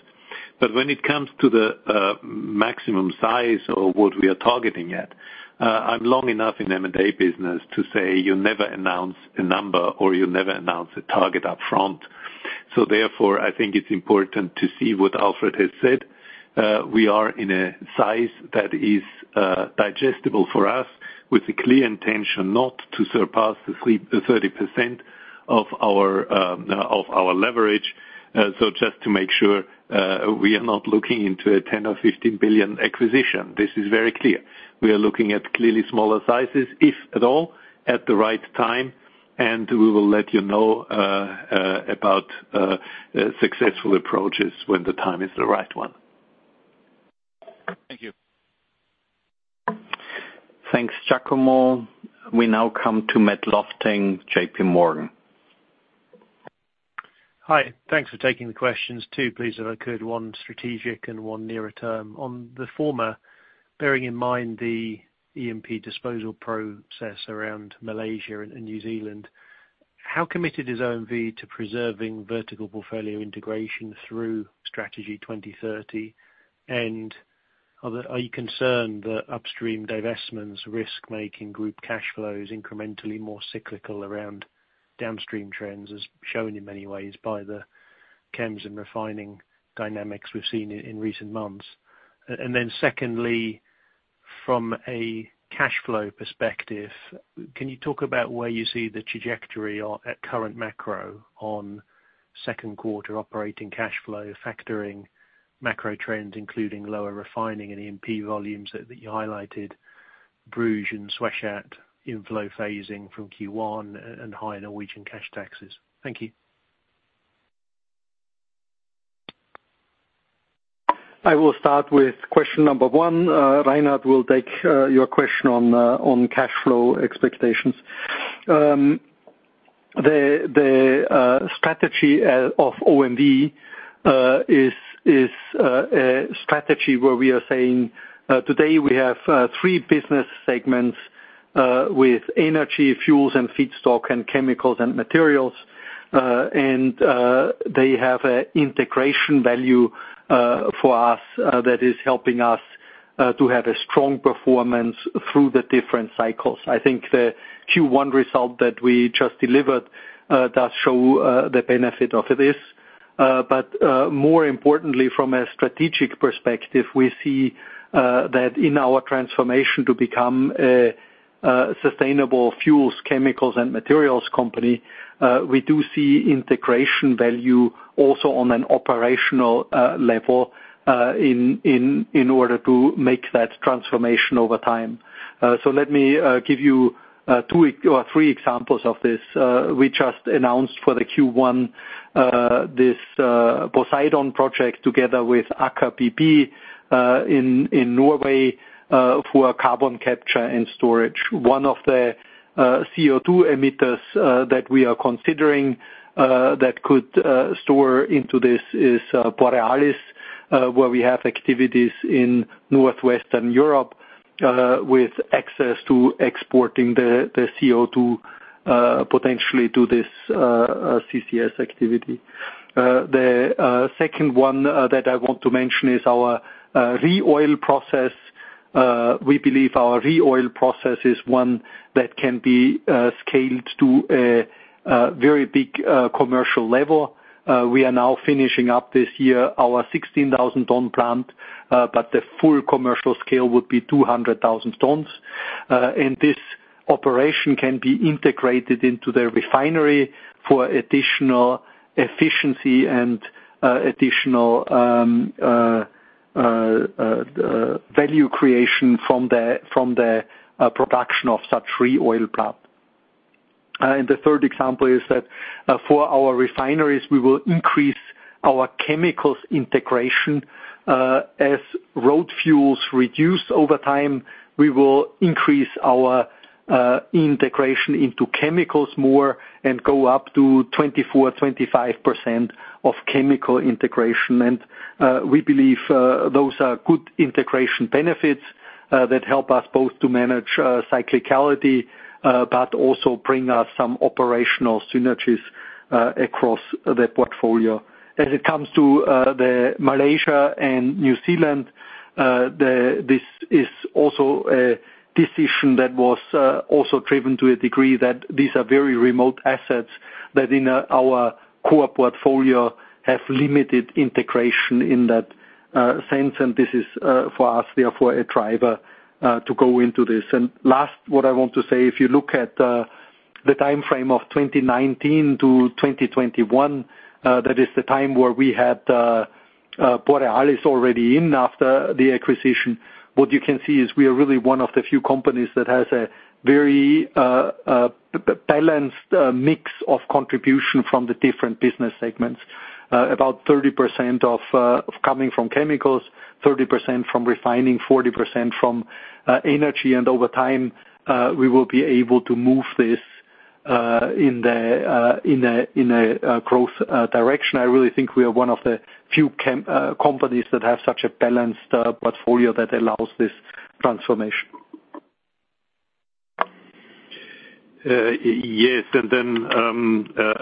But when it comes to the maximum size or what we are targeting at, I'm long enough in M&A business to say you never announce a number, or you never announce a target up front. Therefore, I think it's important to see what Alfred has said. We are in a size that is digestible for us with a clear intention not to surpass the 30% of our leverage. Just to make sure, we are not looking into a 10 billion or 15 billion acquisition. This is very clear. We are looking at clearly smaller sizes, if at all, at the right time, and we will let you know about successful approaches when the time is the right one. Thank you. Thanks, Giacomo. We now come to Matt Lofting, J.P. Morgan. Hi. Thanks for taking the questions. Two please if I could, one strategic and one nearer term. On the former, bearing in mind the E&P disposal process around Malaysia and New Zealand, how committed is OMV to preserving vertical portfolio integration through Strategy 2030? Are you concerned that upstream divestments risk making group cash flows incrementally more cyclical around downstream trends, as shown in many ways by the chems and refining dynamics we've seen in recent months? And then secondly, from a cash flow perspective, can you talk about where you see the trajectory or at current macro on second quarter operating cash flow, factoring macro trends, including lower refining and E&P volumes that you highlighted, Bruges and Suesca inflow phasing from Q1 and high Norwegian cash taxes? Thank you. I will start with question number one. Reinhard will take your question on cash flow expectations. The strategy of OMV is a strategy where we are saying today, we have three business segments with energy, fuels, and feedstock, and chemicals and materials. They have a integration value for us that is helping us to have a strong performance through the different cycles. I think the Q1 result that we just delivered does show the benefit of this. More importantly from a strategic perspective, we see that in our transformation to become a sustainable fuels, chemicals, and materials company, we do see integration value also on an operational level in order to make that transformation over time. Let me give you two or three examples of this. We just announced for the Q1 this Poseidon project together with Aker BP in Norway for carbon capture and storage. One of the CO2 emitters that we are considering that could store into this is Borealis, where we have activities in Northwestern Europe with access to exporting the CO2 potentially to this CCS activity. The second one that I want to mention is our ReOil process. We believe our ReOil process is one that can be scaled to a very big commercial level. We are now finishing up this year our 16,000 ton plant, but the full commercial scale would be 200,000 tons. This operation can be integrated into the refinery for additional efficiency and additional value creation from the production of such ReOil plant. The third example is that for our refineries, we will increase our chemicals integration. As road fuels reduce over time, we will increase our integration into chemicals more and go up to 24-25% of chemical integration. We believe those are good integration benefits that help us both to manage cyclicality, but also bring us some operational synergies across the portfolio. As it comes to, the Malaysia and New Zealand, this is also a decision that was also driven to a degree that these are very remote assets that in our core portfolio have limited integration in that sense. This is for us, therefore, a driver to go into this. Last, what I want to say, if you look at the timeframe of 2019 to 2021, that is the time where we had Borealis already in after the acquisition. What you can see is we are really one of the few companies that has a very balanced mix of contribution from the different business segments. About 30% of coming from chemicals, 30% from refining, 40% from energy. Over time, we will be able to move this in a growth direction. I really think we are one of the few companies that have such a balanced portfolio that allows this transformation. Yes.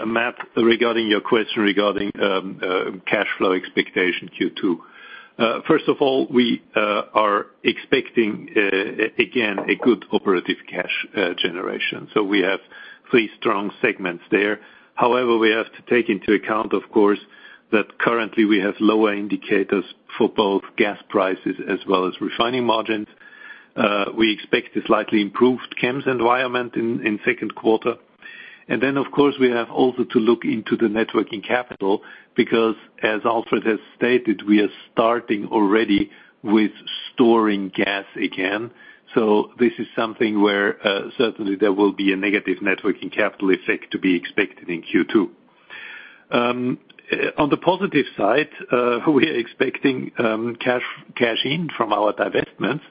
Matt, regarding your question regarding cash flow expectation Q2. First of all, we are expecting again a good operative cash generation. We have three strong segments there. However, we have to take into account, of course, that currently we have lower indicators for both gas prices as well as refining margins. We expect a slightly improved chems environment in second quarter. Of course, we have also to look into the net working capital because as Alfred has stated, we are starting already with storing gas again. This is something where certainly there will be a negative net working capital effect to be expected in Q2. On the positive side, we are expecting cash in from our divestments,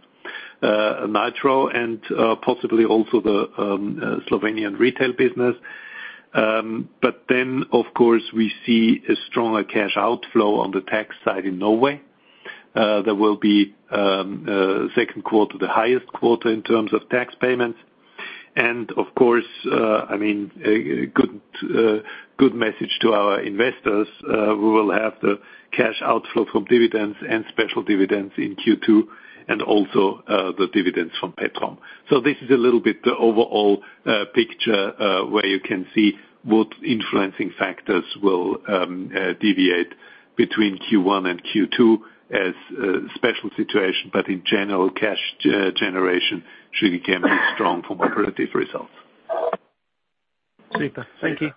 NITRO and possibly also the Slovenian retail business. Of course, we see a stronger cash outflow on the tax side in Norway. There will be second quarter, the highest quarter in terms of tax payments. Of course, I mean, a good message to our investors, we will have the cash outflow from dividends and special dividends in Q2, and also the dividends from Petrom. This is a little bit the overall picture where you can see what influencing factors will deviate between Q1 and Q2 as a special situation. In general, cash generation should again be strong from operative results. Super. Thank you.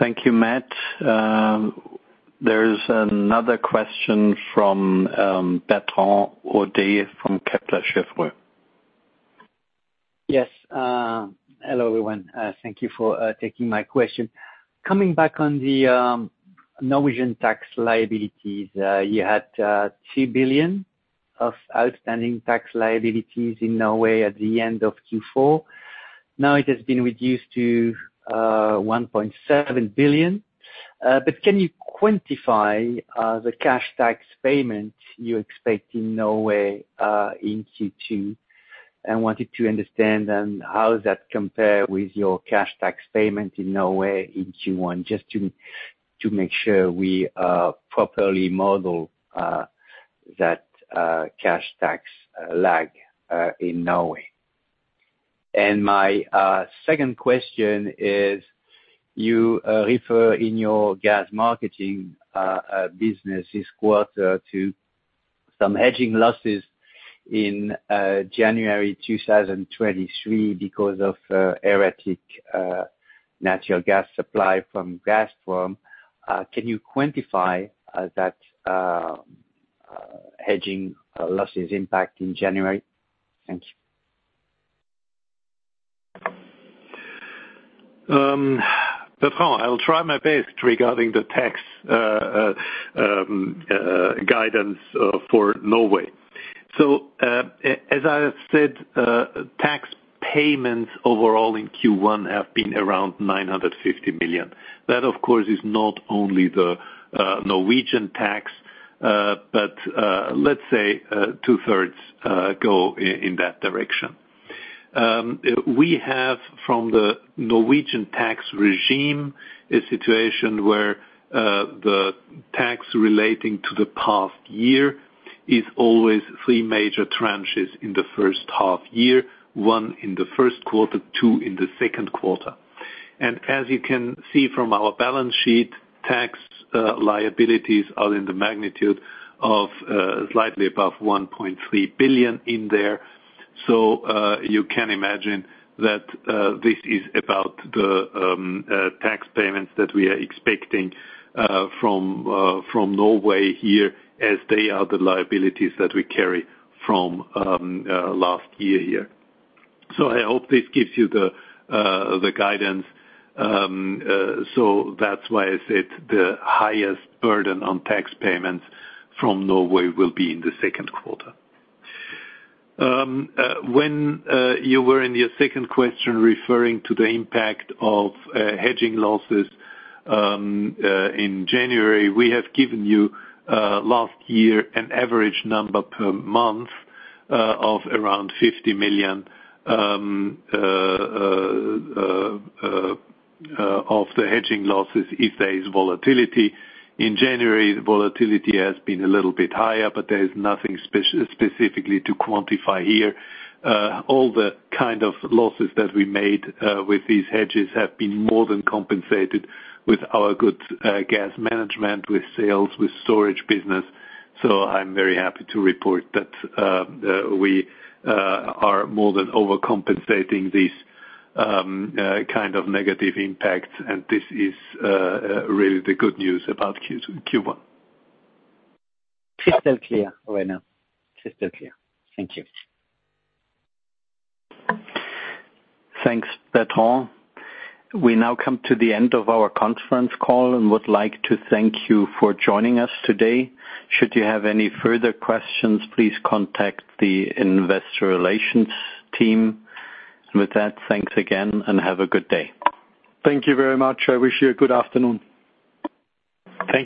Thank you, Matt. There's another question from, Bertrand Hodee from Kepler Cheuvreux. Yes. Hello, everyone. Thank you for taking my question. Coming back on the Norwegian tax liabilities, you had 3 billion of outstanding tax liabilities in Norway at the end of Q4. Now it has been reduced to 1.7 billion. Can you quantify the cash tax payment you expect in Norway in Q2? I wanted to understand how does that compare with your cash tax payment in Norway in Q1, just to make sure we properly model that cash tax lag in Norway. My second question is, you refer in your gas marketing business this quarter to some hedging losses in January 2023 because of erratic natural gas supply from Gazprom. Can you quantify that hedging losses impact in January? Thank you. Bertrand, I will try my best regarding the tax guidance for Norway. As I have said, tax payments overall in Q1 have been around 950 million. That of course is not only the Norwegian tax, but let's say two-thirds go in that direction. We have, from the Norwegian tax regime, a situation where the tax relating to the past year is always three major tranches in the first half-year, one in the first quarter, two in the second quarter. As you can see from our balance sheet, tax liabilities are in the magnitude of slightly above 1.3 billion in there. a transcript of a live Q&A session. Please note that the speaker is responding to questions from the audience, which are not included in this transcript. You can imagine that this is about the tax payments that we are expecting from Norway as they are the liabilities that we carry from last year. I hope this gives you the guidance. That's why I said the highest burden on tax payments from Norway will be in the second quarter. When you were in your second question referring to the impact of hedging losses, in January, we have given you last year an average number per month of around EUR 50 million of the hedging losses if there is volatility. In January, the volatility has been a little bit higher, but there is nothing specifically to quantify here Uh, all the kind of losses that we made, uh, with these hedges have been more than compensated with our good, uh, gas management, with sales, with storage business. So I'm very happy to report that, uh, uh, we, uh, are more than overcompensating these, um, uh, kind of negative impacts, and this is, uh, uh, really the good news about Q-Q1. Crystal clear, Rene. Crystal clear. Thank you. Thanks, Bertrand. We now come to the end of our conference call and would like to thank you for joining us today. Should you have any further questions, please contact the investor relations team. With that, thanks again and have a good day. Thank you very much. I wish you a good afternoon. Thank you.